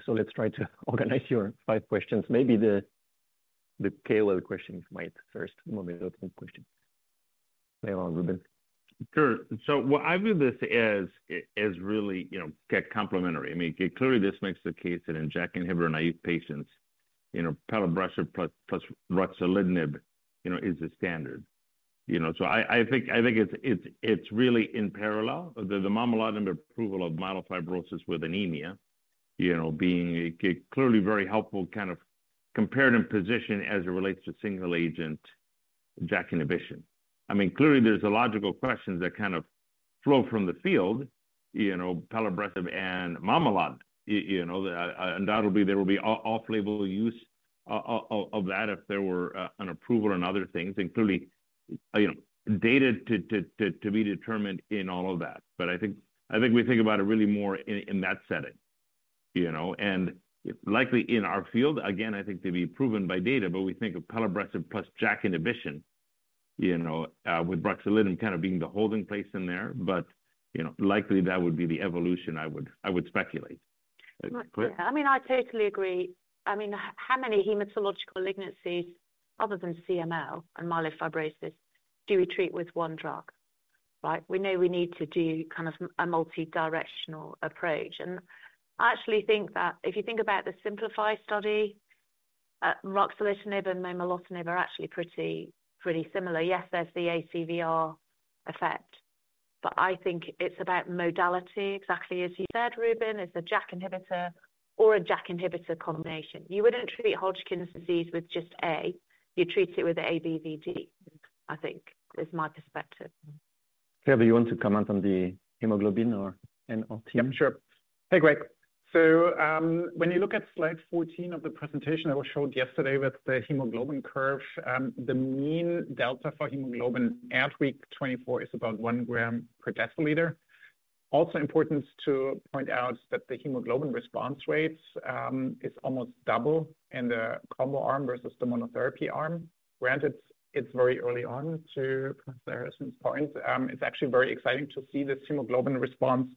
So let's try to organize your five questions. Maybe the KOL question is my first momelotinib question. Go on, Ruben. Sure. So what I view this as is really, you know, get complementary. I mean, clearly, this makes the case that in JAK inhibitor-naïve patients, you know, pelabresib plus ruxolitinib, you know, is the standard. You know, so I think it's really in parallel. The momelotinib approval of myelofibrosis with anemia, you know, being a clearly very helpful kind of comparative position as it relates to single agent JAK inhibition. I mean, clearly, there's logical questions that kind of flow from the field, you know, pelabresib and momelotinib, you know, undoubtedly, there will be off-label use of that if there were an approval and other things, and clearly, you know, data to be determined in all of that. But I think we think about it really more in that setting, you know. Likely in our field, again, I think to be proven by data, but we think of pelabresib plus JAK inhibition, you know, with ruxolitinib kind of being the holding place in there. You know, likely that would be the evolution, I would speculate. Right. Yeah, I mean, I totally agree. I mean, how many hematologic malignancies, other than CML and myelofibrosis, do we treat with one drug, right? We know we need to do kind of a multidirectional approach. I actually think that if you think about the SIMPLIFY study, ruxolitinib and momelotinib are actually pretty, pretty similar. Yes, there's the ACVR effect, but I think it's about modality, exactly as you said, Ruben, it's a JAK inhibitor or a JAK inhibitor combination. You wouldn't treat Hodgkin's disease with just A, you treat it with ABVD, I think is my perspective. Fabio, you want to comment on the hemoglobin or NLT? Yep, sure. Hey, Greg. So, when you look at slide 14 of the presentation that was showed yesterday with the hemoglobin curve, the mean delta for hemoglobin at week 24 is about 1 gram per deciliter. ... Also important to point out that the hemoglobin response rates is almost double in the combo arm versus the monotherapy arm. Granted, it's very early on to Professor Harrison's point. It's actually very exciting to see this hemoglobin response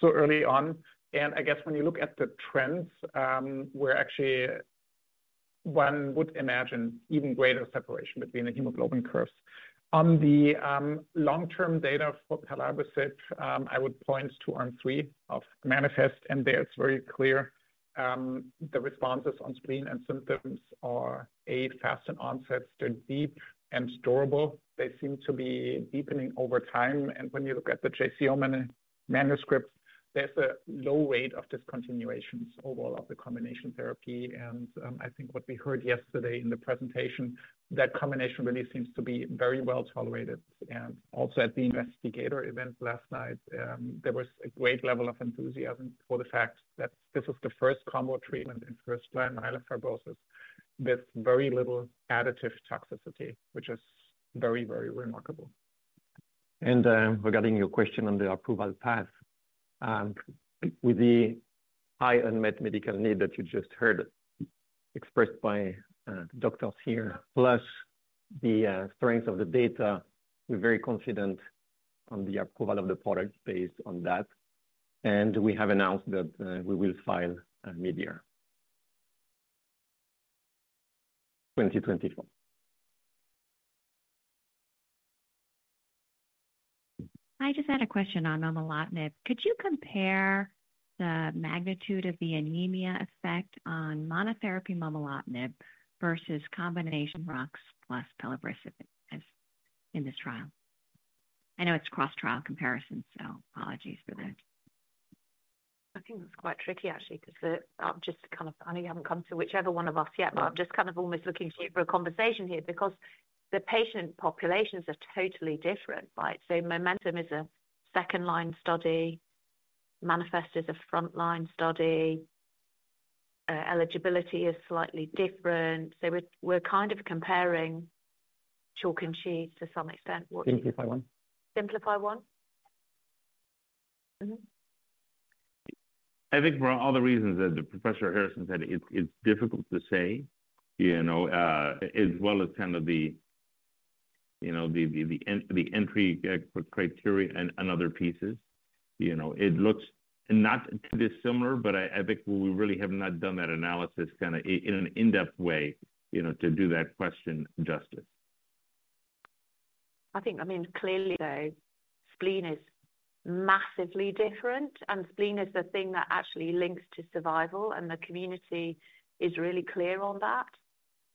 so early on, and I guess when you look at the trends, we're actually one would imagine even greater separation between the hemoglobin curves. On the long-term data for pelabresib, I would point to arm three of MANIFEST, and there it's very clear, the responses on spleen and symptoms are fast in onset, they're deep and durable. They seem to be deepening over time, and when you look at the JCO manuscripts, there's a low rate of discontinuations overall of the combination therapy. And I think what we heard yesterday in the presentation, that combination really seems to be very well tolerated. Also at the investigator event last night, there was a great level of enthusiasm for the fact that this is the first combo treatment in first-line myelofibrosis with very little additive toxicity, which is very, very remarkable. Regarding your question on the approval path, with the high unmet medical need that you just heard expressed by doctors here, plus the strength of the data, we're very confident on the approval of the product based on that, and we have announced that we will file midyear 2024. I just had a question on momelotinib. Could you compare the magnitude of the anemia effect on monotherapy momelotinib versus combination Rux plus pelabresib as in this trial? I know it's cross-trial comparison, so apologies for that. I think it's quite tricky, actually, because I've just kind of... I know you haven't come to whichever one of us yet, but I'm just kind of almost looking for a conversation here because the patient populations are totally different, right? So MOMENTUM is a second-line study, MANIFEST is a front-line study. Eligibility is slightly different. So we're, we're kind of comparing chalk and cheese to some extent- SIMPLIFY-1. SIMPLIFY-1? Mm-hmm. I think for all the reasons that Professor Harrison said, it's difficult to say, you know, as well as kind of the, you know, the entry criteria and other pieces. You know, it looks not too dissimilar, but I think we really have not done that analysis kind of in an in-depth way, you know, to do that question justice. I think, I mean, clearly, though, spleen is massively different, and spleen is the thing that actually links to survival, and the community is really clear on that.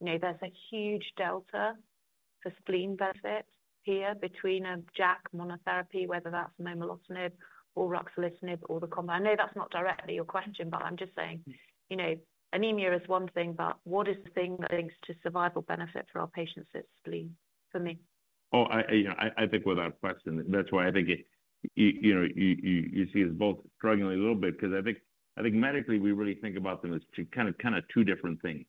You know, there's a huge delta for spleen benefit here between a JAK monotherapy, whether that's momelotinib or ruxolitinib or the combo. I know that's not directly your question, but I'm just saying, you know, anemia is one thing, but what is the thing that links to survival benefit for our patients is spleen, for me. Oh, you know, I think without question. That's why I think it, you know, you see us both struggling a little bit because I think medically, we really think about them as two kind of two different things.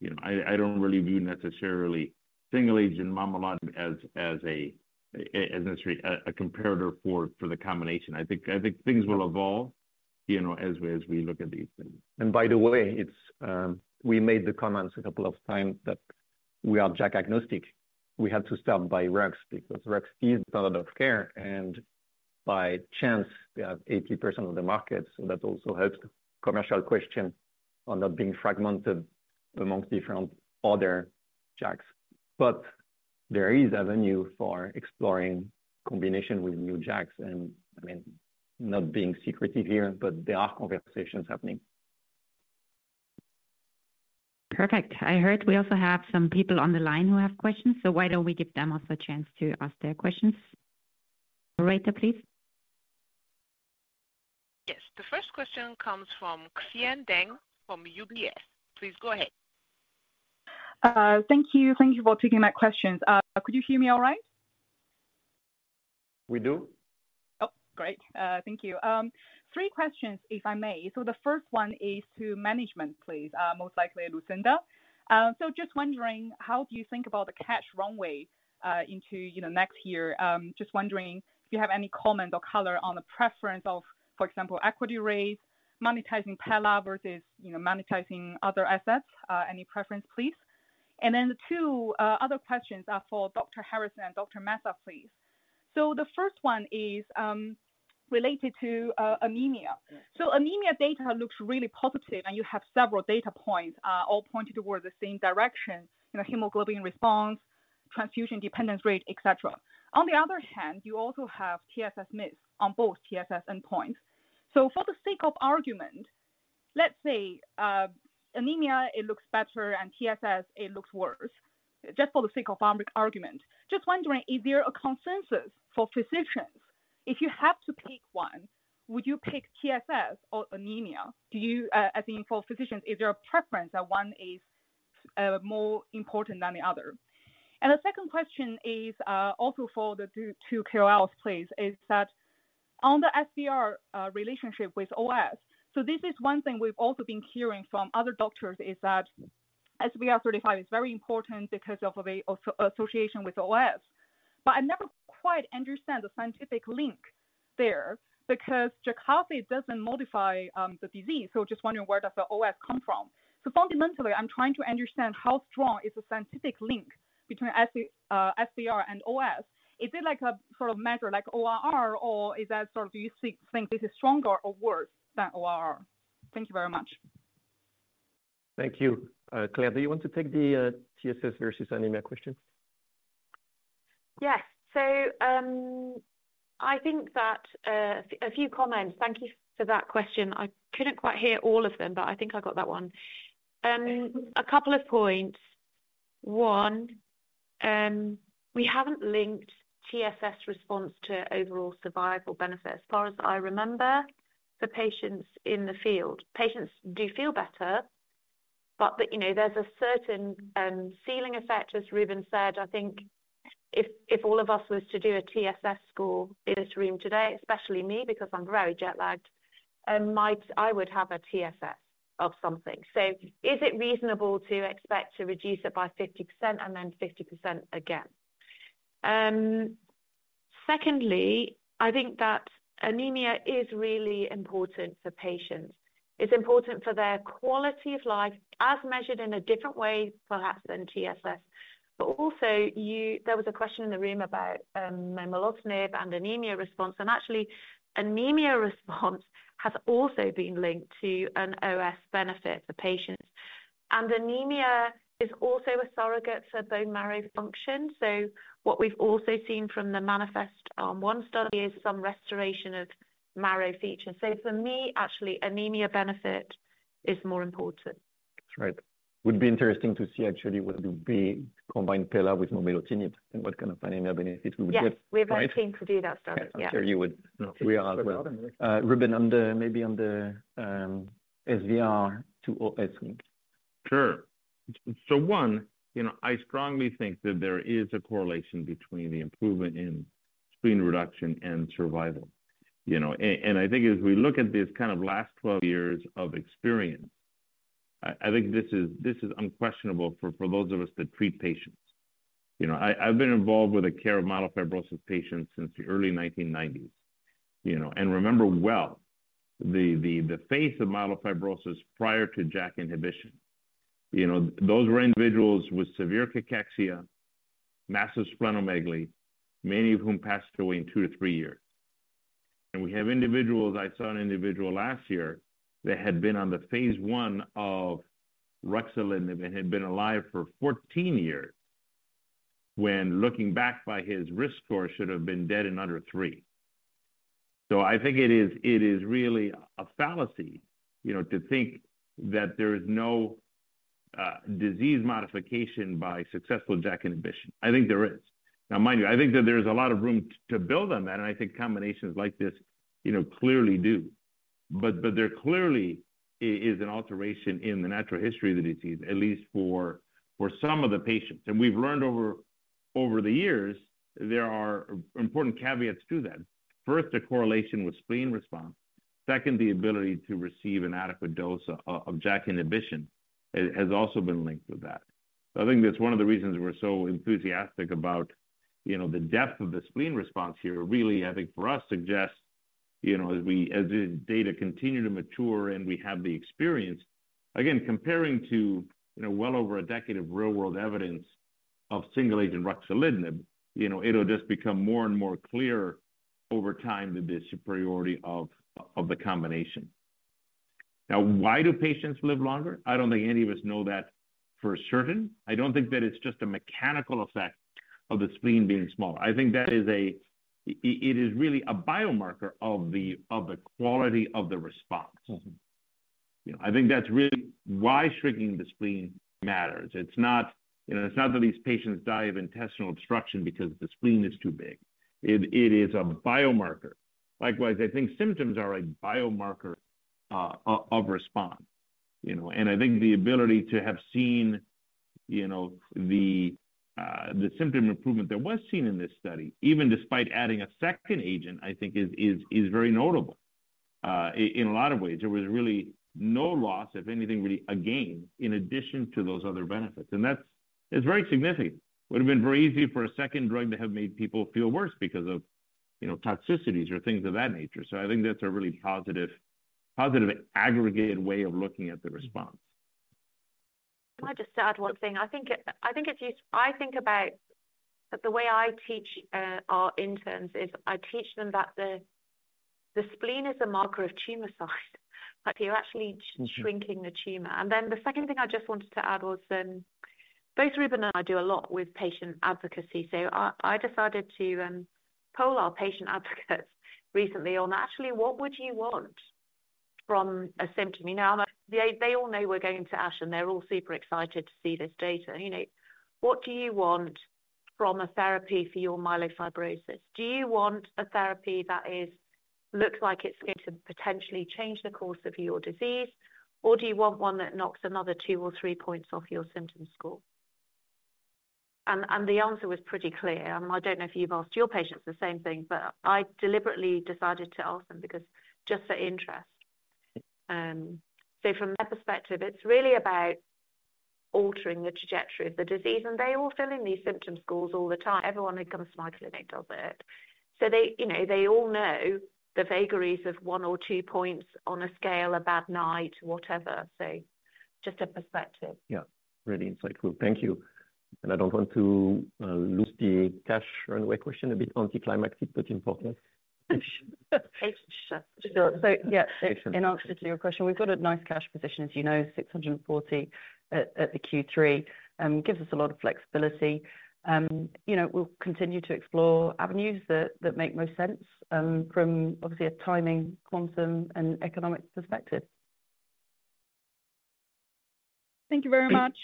You know, I don't really view necessarily single-agent momelotinib as a necessary comparator for the combination. I think things will evolve, you know, as we look at these things. And by the way, it's we made the comments a couple of times that we are JAK agnostic. We have to start by Rux because Rux is standard of care, and by chance, we have 80% of the market, so that also helps the commercial question on not being fragmented amongst different other JAKs. But there is avenue for exploring combination with new JAKs, and, I mean, not being secretive here, but there are conversations happening. Perfect. I heard we also have some people on the line who have questions, so why don't we give them also a chance to ask their questions? Operator, please. Yes, the first question comes from Xian Deng from UBS. Please go ahead. Thank you. Thank you for taking my questions. Could you hear me all right? We do. Oh, great. Thank you. Three questions, if I may. So the first one is to management, please, most likely Lucinda. So just wondering, how do you think about the cash runway, into, you know, next year? Just wondering if you have any comment or color on the preference of, for example, equity raise, monetizing pelabresib versus, you know, monetizing other assets. Any preference, please? And then the two other questions are for Dr. Harrison and Dr. Mesa, please. So the first one is, related to, anemia. So anemia data looks really positive, and you have several data points, all pointed towards the same direction, you know, hemoglobin response, transfusion dependence rate, et cetera. On the other hand, you also have TSS miss on both TSS endpoint. So for the sake of argument, let's say anemia looks better and TSS looks worse, just for the sake of argument. Just wondering, is there a consensus for physicians? If you have to pick one, would you pick TSS or anemia? Do you, I think for physicians, is there a preference that one is more important than the other? And the second question is also for the two KOLs, please, on the SVR relationship with OS. So this is one thing we've also been hearing from other doctors, that SVR 35 is very important because of an association with OS. But I never quite understand the scientific link there, because Jakafi doesn't modify the disease. So just wondering, where does the OS come from? So fundamentally, I'm trying to understand how strong is the scientific link between SV, SVR and OS. Is it like a sort of measure, like ORR or is that sort of do you think this is stronger or worse than ORR? Thank you very much. Thank you. Claire, do you want to take the TSS versus anemia question? Yes. So, I think that a few comments. Thank you for that question. I couldn't quite hear all of them, but I think I got that one. A couple of points. One, we haven't linked TSS response to overall survival benefit. As far as I remember, for patients in the field, patients do feel better, but you know, there's a certain ceiling effect, as Ruben said, I think if all of us was to do a TSS score in this room today, especially me, because I'm very jet-lagged, might I would have a TSS of something. So is it reasonable to expect to reduce it by 50% and then 50% again? Secondly, I think that anemia is really important for patients. It's important for their quality of life, as measured in a different way, perhaps, than TSS. But also, there was a question in the room about momelotinib and anemia response, and actually, anemia response has also been linked to an OS benefit for patients. Anemia is also a surrogate for bone marrow function. What we've also seen from the MANIFEST-1 study is some restoration of marrow features. For me, actually, anemia benefit is more important. That's right. Would be interesting to see actually, what would be combined pelabresib with momelotinib and what kind of anemia benefits we would get, right? Yes, we're very keen to do that study. Yeah. I'm sure you would. No, we are as well. Ruben, maybe on the SVR to OS link. Sure. So one, you know, I strongly think that there is a correlation between the improvement in spleen reduction and survival, you know. And I think as we look at these kind of last 12 years of experience, I think this is unquestionable for those of us that treat patients. You know, I have been involved with the care of myelofibrosis patients since the early 1990s, you know, and remember well the face of myelofibrosis prior to JAK inhibition. You know, those were individuals with severe cachexia, massive splenomegaly, many of whom passed away in two to three years. And we have individuals. I saw an individual last year that had been on the phase I of ruxolitinib and had been alive for 14 years, when looking back by his risk score, should have been dead in under three. So I think it is really a fallacy, you know, to think that there is no disease modification by successful JAK inhibition. I think there is. Now, mind you, I think that there's a lot of room to build on that, and I think combinations like this, you know, clearly do. But there clearly is an alteration in the natural history of the disease, at least for some of the patients. And we've learned over the years, there are important caveats to that. First, the correlation with spleen response. Second, the ability to receive an adequate dose of JAK inhibition has also been linked with that. So I think that's one of the reasons we're so enthusiastic about, you know, the depth of the spleen response here. Really, I think for us, suggests, you know, as the data continue to mature and we have the experience, again, comparing to, you know, well over a decade of real-world evidence of single-agent ruxolitinib, you know, it'll just become more and more clear over time, the superiority of the combination. Now, why do patients live longer? I don't think any of us know that for certain. I don't think that it's just a mechanical effect of the spleen being smaller. I think that it is really a biomarker of the quality of the response. Mm-hmm. You know, I think that's really why shrinking the spleen matters. It's not, you know, it's not that these patients die of intestinal obstruction because the spleen is too big. It is a biomarker. Likewise, I think symptoms are a biomarker of response, you know. And I think the ability to have seen, you know, the symptom improvement that was seen in this study, even despite adding a second agent, I think is very notable in a lot of ways. There was really no loss, if anything, really, a gain, in addition to those other benefits, and that's very significant. It would have been very easy for a second drug to have made people feel worse because of, you know, toxicities or things of that nature. So I think that's a really positive, positive, aggregated way of looking at the response. Can I just add one thing? I think about the way I teach our interns is I teach them that the spleen is a marker of tumor size, like you're actually- Mm-hmm... shrinking the tumor. And then the second thing I just wanted to add was, both Ruben and I do a lot with patient advocacy. So I decided to poll our patient advocates recently on, "Actually, what would you want from a symptom?" You know, they, they all know we're going to ASH, and they're all super excited to see this data, you know. "What do you want from a therapy for your myelofibrosis? Do you want a therapy that is, looks like it's going to potentially change the course of your disease, or do you want one that knocks another two or three points off your symptom score?... And the answer was pretty clear. I don't know if you've asked your patients the same thing, but I deliberately decided to ask them because just for interest. And so from their perspective, it's really about altering the trajectory of the disease, and they all fill in these symptom scores all the time. Everyone who comes to my clinic does it. So they, you know, they all know the vagaries of one or two points on a scale, a bad night, whatever. So just a perspective. Yeah. Really insightful. Thank you. And I don't want to lose the cash runway question, a bit anticlimactic, but important. Yeah, in answer to your question, we've got a nice cash position, as you know, 640 at the Q3. Gives us a lot of flexibility. You know, we'll continue to explore avenues that make most sense from obviously a timing, quantum, and economic perspective. Thank you very much.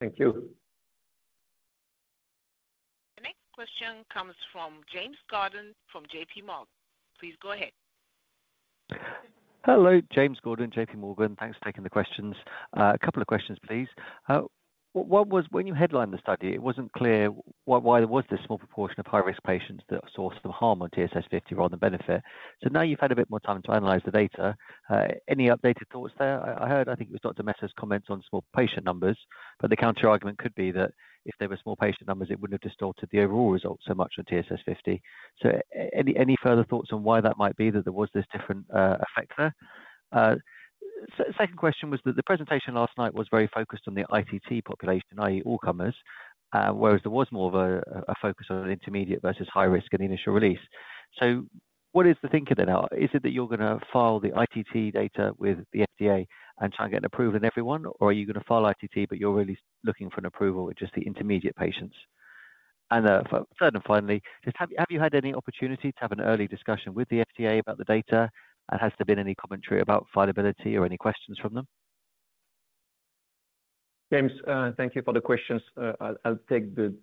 Thank you. The next question comes from James Gordon, from JP Morgan. Please go ahead. Hello, James Gordon, JP Morgan. Thanks for taking the questions. A couple of questions, please. When you headlined the study, it wasn't clear why there was this small proportion of high-risk patients that saw some harm on TSS 50 rather than benefit. So now you've had a bit more time to analyze the data, any updated thoughts there? I heard, I think it was Dr. Mesa's comments on small patient numbers, but the counterargument could be that if there were small patient numbers, it wouldn't have distorted the overall result so much on TSS 50. So any further thoughts on why that might be that there was this different effect there? Second question was that the presentation last night was very focused on the ITT population, i.e., all comers, whereas there was more of a focus on intermediate versus high risk in the initial release. So what is the thinking there now? Is it that you're going to file the ITT data with the FDA and try and get an approval in everyone, or are you going to file ITT, but you're really looking for an approval with just the intermediate patients? And, third and finally, just have you had any opportunity to have an early discussion with the FDA about the data? And has there been any commentary about filability or any questions from them? James, thank you for the questions. I'll take the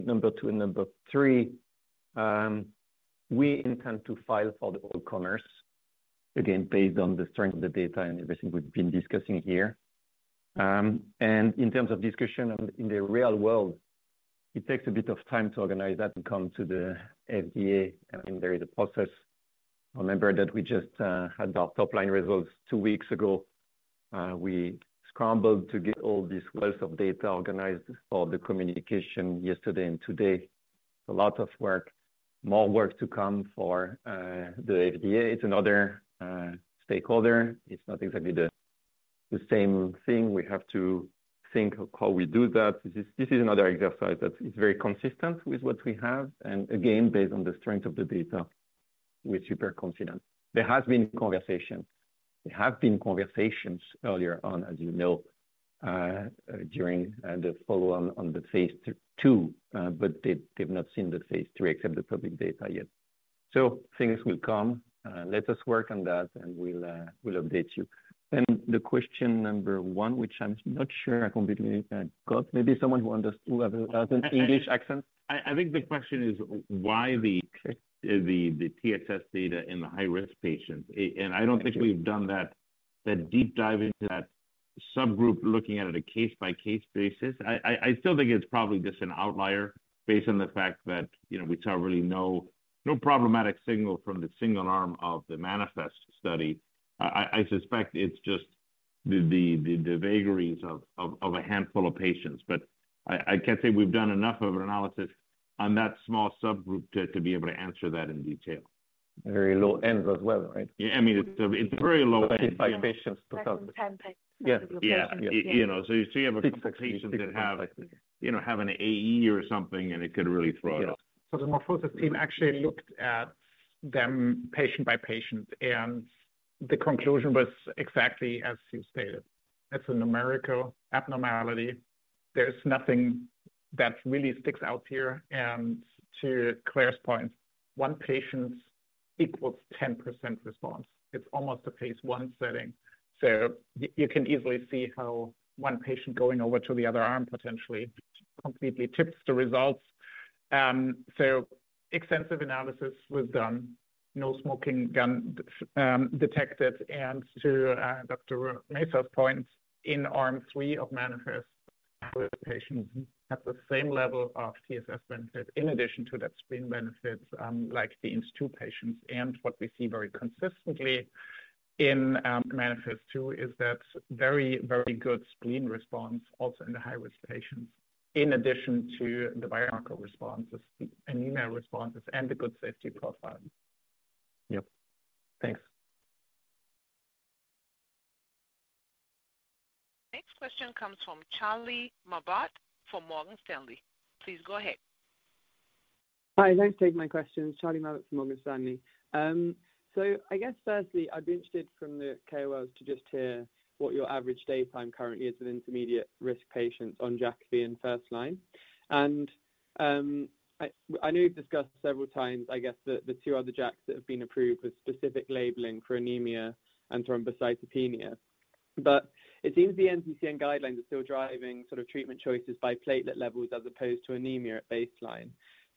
number two and number three. We intend to file for the all comers, again, based on the strength of the data and everything we've been discussing here. And in terms of discussion of in the real world, it takes a bit of time to organize that and come to the FDA, and there is a process. Remember that we just had our top-line results two weeks ago. We scrambled to get all this wealth of data organized for the communication yesterday and today. A lot of work, more work to come for the FDA. It's another stakeholder. It's not exactly the same thing. We have to think of how we do that. This is another exercise that is very consistent with what we have, and again, based on the strength of the data, we're super confident. There have been conversations earlier on, as you know, during the follow-on on the phase II. But they've not seen the phase III except the public data yet. So things will come. Let us work on that, and we'll update you. Then the question number one, which I'm not sure I completely got. Maybe someone who has an English accent. I think the question is why the TSS data in the high-risk patients. And I don't think we've done that deep dive into that subgroup, looking at it a case-by-case basis. I still think it's probably just an outlier based on the fact that, you know, we saw really no problematic signal from the single arm of the MANIFEST study. I suspect it's just the vagaries of a handful of patients. But I can't say we've done enough of an analysis on that small subgroup to be able to answer that in detail. Very low end as well, right? Yeah. I mean, it's very low- 35 patients, 2,000. 10 patients. Yeah. Yeah. You know, so you still have a couple patients that have, you know, have an AE or something, and it could really throw it off. So the MorphoSys team actually looked at the patients patient by patient, and the conclusion was exactly as you stated. It's a numerical abnormality. There's nothing that really sticks out here. And to Claire's point, one patient equals 10% response. It's almost a phase I setting. So you can easily see how one patient going over to the other arm potentially completely tips the results. So extensive analysis was done, no smoking gun detected. And to Dr. Mesa's point, in arm three of MANIFEST, patients at the same level of TSS benefit, in addition to that spleen benefits, like the Int-2 patients. And what we see very consistently in MANIFEST-2 is that very, very good spleen response also in the high-risk patients, in addition to the biochemical responses, anemia responses, and a good safety profile. Yep. Thanks. Next question comes from Charlie Mabbutt from Morgan Stanley. Please go ahead. Hi, thanks for taking my questions. Charlie Mabbutt from Morgan Stanley. So I guess firstly, I'd be interested from the KOLs to just hear what your average daytime currently is with intermediate risk patients on Jakafi in first line. And I know you've discussed several times, I guess, the two other JAKs that have been approved with specific labeling for anemia and thrombocytopenia. But it seems the NCCN guidelines are still driving sort of treatment choices by platelet levels as opposed to anemia at baseline.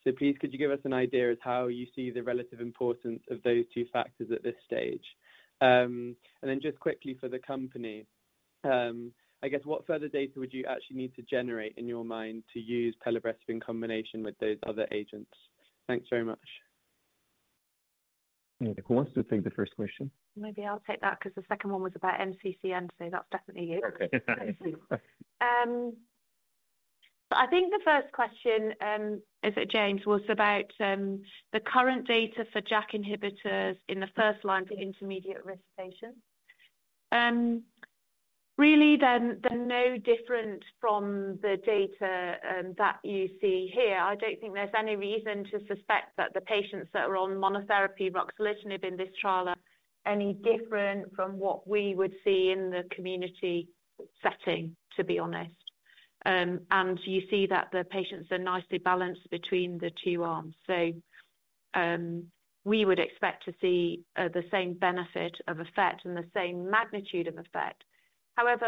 So please, could you give us an idea as how you see the relative importance of those two factors at this stage? And then just quickly for the company, I guess what further data would you actually need to generate in your mind to use pelabresib in combination with those other agents? Thanks very much.... Who wants to take the first question? Maybe I'll take that because the second one was about NCCN, so that's definitely you. Okay. But I think the first question, is it James, was about the current data for JAK inhibitors in the first line for intermediate-risk patients. Really, they're no different from the data that you see here. I don't think there's any reason to suspect that the patients that are on monotherapy ruxolitinib in this trial are any different from what we would see in the community setting, to be honest. And you see that the patients are nicely balanced between the two arms. So, we would expect to see the same benefit of effect and the same magnitude of effect. However,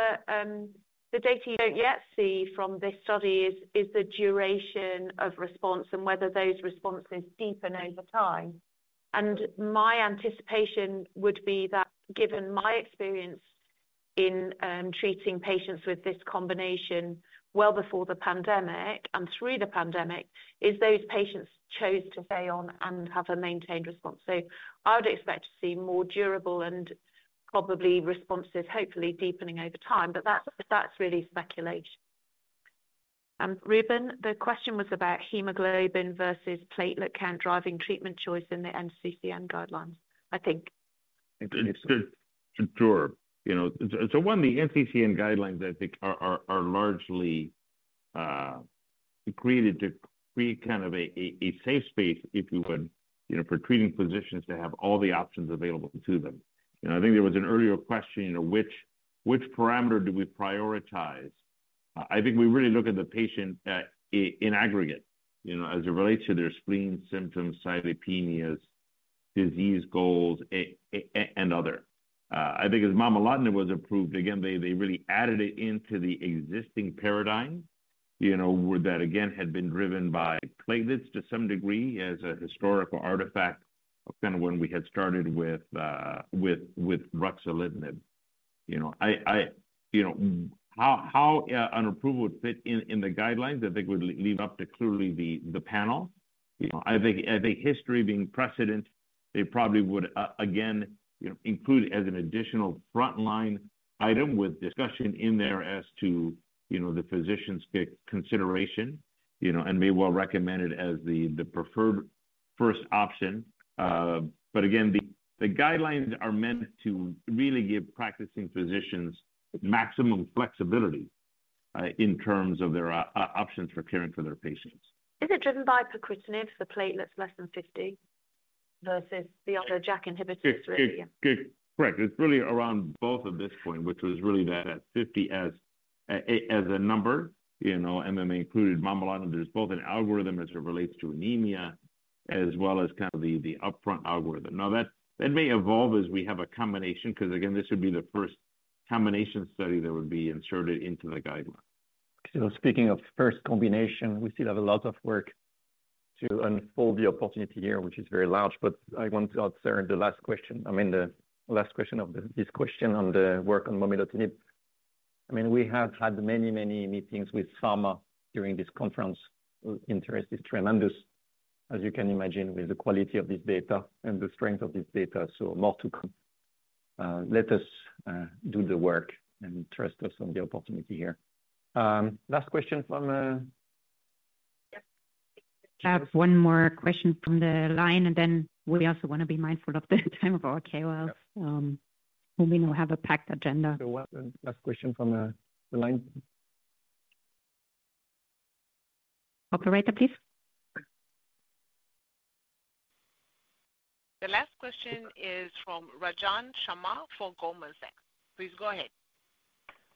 the data you don't yet see from this study is the duration of response and whether those responses deepen over time. My anticipation would be that, given my experience in treating patients with this combination well before the pandemic and through the pandemic, is those patients chose to stay on and have a maintained response. So I would expect to see more durable and probably responses, hopefully deepening over time, but that's, that's really speculation. Ruben, the question was about hemoglobin versus platelet count driving treatment choice in the NCCN guidelines, I think. Sure. You know, so one, the NCCN guidelines, I think, are largely created to create kind of a safe space, if you would, you know, for treating physicians to have all the options available to them. You know, I think there was an earlier question, you know, which parameter do we prioritize? I think we really look at the patient in aggregate, you know, as it relates to their spleen symptoms, cytopenias, disease goals, and other. I think as momelotinib was approved, again, they really added it into the existing paradigm, you know, where that again had been driven by platelets to some degree as a historical artifact of kind of when we had started with ruxolitinib. You know, I... You know, how an approval would fit in the guidelines, I think, would leave up to clearly the panel. You know, I think history being precedent, they probably would again, you know, include as an additional frontline item with discussion in there as to, you know, the physician's pick consideration, you know, and may well recommend it as the preferred first option. But again, the guidelines are meant to really give practicing physicians maximum flexibility in terms of their options for caring for their patients. Is it driven by pacritinib, the platelets less than 50 versus the other JAK inhibitors, really? Correct. It's really around both of this point, which was really that at 50 as a number, you know, and then they included momelotinib. There's both an algorithm as it relates to anemia, as well as kind of the upfront algorithm. Now, that may evolve as we have a combination, 'cause again, this would be the first combination study that would be inserted into the guideline. So speaking of first combination, we still have a lot of work to unfold the opportunity here, which is very large. But I want to answer the last question, I mean, the last question of this question on the work on momelotinib. I mean, we have had many, many meetings with pharma during this conference. Interest is tremendous, as you can imagine, with the quality of this data and the strength of this data. So more to come. Let us do the work and trust us on the opportunity here. Last question from, Yep. I have one more question from the line, and then we also want to be mindful of the time of our KOLs, and we know we have a packed agenda. Well, last question from the line. Operator, please. The last question is from Rajan Sharma for Goldman Sachs. Please go ahead.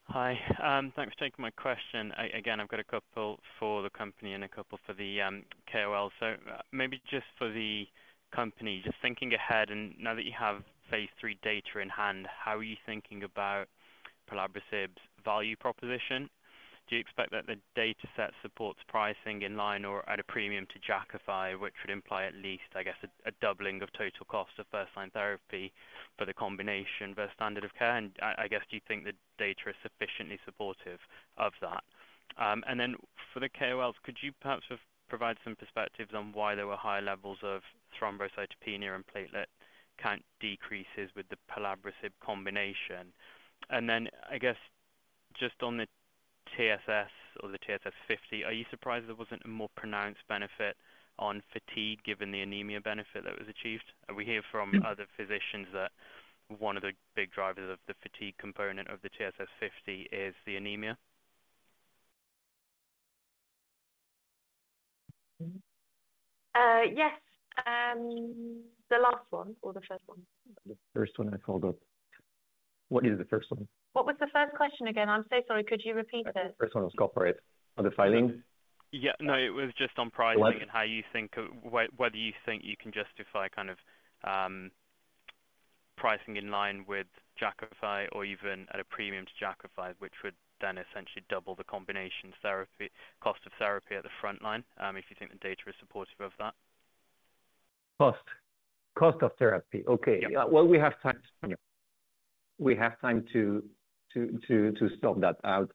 Hi. Thanks for taking my question. Again, I've got a couple for the company and a couple for the KOL. So maybe just for the company, just thinking ahead, and now that you have phase III data in hand, how are you thinking about pelabresib's value proposition? Do you expect that the dataset supports pricing in line or at a premium to Jakafi, which would imply at least, I guess, a doubling of total cost of first-line therapy for the combination versus standard of care? And I guess, do you think the data is sufficiently supportive of that? And then for the KOLs, could you perhaps provide some perspectives on why there were higher levels of thrombocytopenia and platelet count decreases with the pelabresib combination? And then, I guess, just on the TSS or the TSS 50, are you surprised there wasn't a more pronounced benefit on fatigue given the anemia benefit that was achieved? And we hear from other physicians that one of the big drivers of the fatigue component of the TSS 50 is the anemia. Yes, the last one or the first one? The first one I called up. What is the first one? What was the first question again? I'm so sorry. Could you repeat it? The first one was corporate on the filing. Yeah. No, it was just on pricing- Pricing... and how you think of whether you think you can justify kind of pricing in line with Jakafi or even at a premium to Jakafi, which would then essentially double the combination therapy, cost of therapy at the front line, if you think the data is supportive of that. Cost. Cost of therapy. Yep. Okay. Yeah. Well, we have time to sort that out.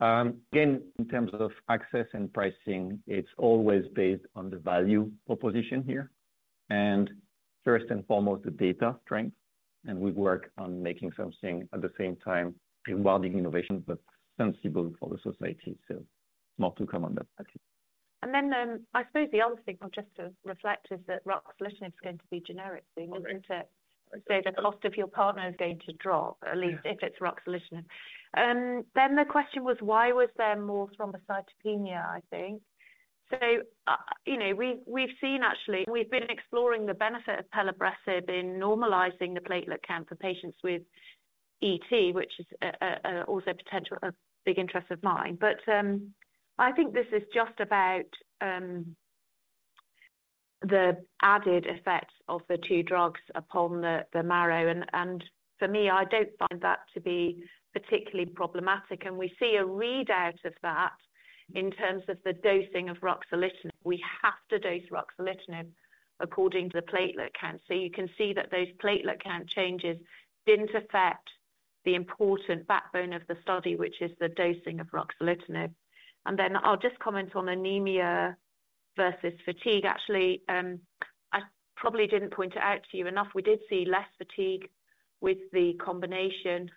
Again, in terms of access and pricing, it's always based on the value proposition here, and first and foremost, the data strength, and we work on making something at the same time, rewarding innovation, but sensible for the society. So more to come on that, I think. I suppose the other thing I'll just to reflect is that ruxolitinib is going to be generic, so- Correct. So the cost of your partner is going to drop, at least if it's ruxolitinib. Then the question was, why was there more thrombocytopenia, I think? So, you know, we've seen actually, we've been exploring the benefit of pelabresib in normalizing the platelet count for patients with ET, which is also potential a big interest of mine. But, I think this is just about, the added effects of the two drugs upon the, the marrow, and, for me, I don't find that to be particularly problematic. And we see a readout of that in terms of the dosing of ruxolitinib. We have to dose ruxolitinib according to the platelet count. So you can see that those platelet count changes didn't affect the important backbone of the study, which is the dosing of ruxolitinib. Then I'll just comment on anemia versus fatigue. Actually, I probably didn't point it out to you enough. We did see less fatigue with the combination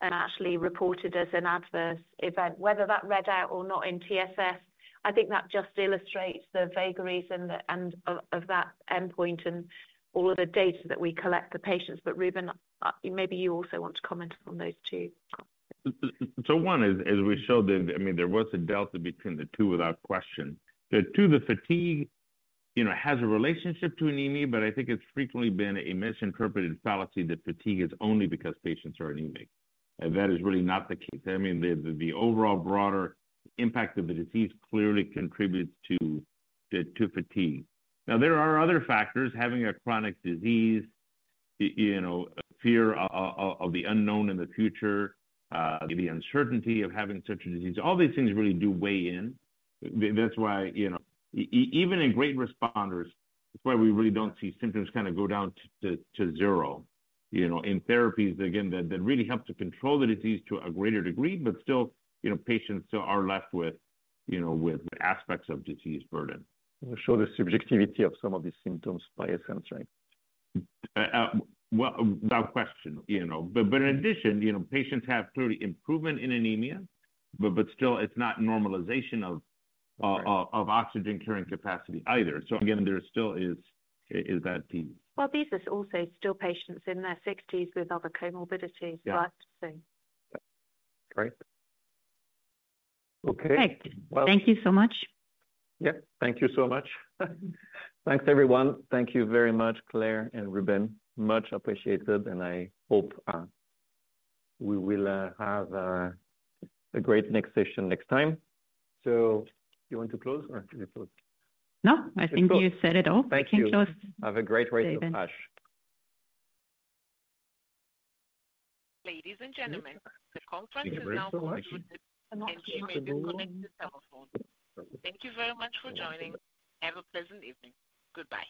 and actually reported as an adverse event. Whether that read out or not in TSS, I think that just illustrates the vagaries and of that endpoint and all of the data that we collect the patients. But Ruben, maybe you also want to comment on those two. So one is, as we showed, there, I mean, there was a delta between the two without question. The two, the fatigue, you know, has a relationship to anemia, but I think it's frequently been a misinterpreted fallacy that fatigue is only because patients are anemic, and that is really not the case. I mean, the overall broader impact of the disease clearly contributes to the fatigue. Now, there are other factors, having a chronic disease, you know, fear of the unknown in the future, the uncertainty of having such a disease. All these things really do weigh in. That's why, you know, even in great responders, that's why we really don't see symptoms kinda go down to zero. You know, in therapies, again, that really help to control the disease to a greater degree, but still, you know, patients still are left with, you know, with aspects of disease burden. Show the subjectivity of some of these symptoms by a sense, right? Well, without question, you know. But in addition, you know, patients have clearly improvement in anemia, but still it's not normalization of Right... of oxygen carrying capacity either. So again, there still is that the- Well, these are also still patients in their sixties with other comorbidities- Yeah. -right? So. Yeah. Great. Okay. Great. Well- Thank you so much. Yeah, thank you so much. Thanks, everyone. Thank you very much, Claire and Ruben. Much appreciated, and I hope we will have a great next session next time. So you want to close or I close? No, I think you said it all. Thank you. I can close. Have a great rest of ASH. Ladies and gentlemen, the conference is now concluded, and you may disconnect your telephone. Thank you very much for joining. Have a pleasant evening. Goodbye.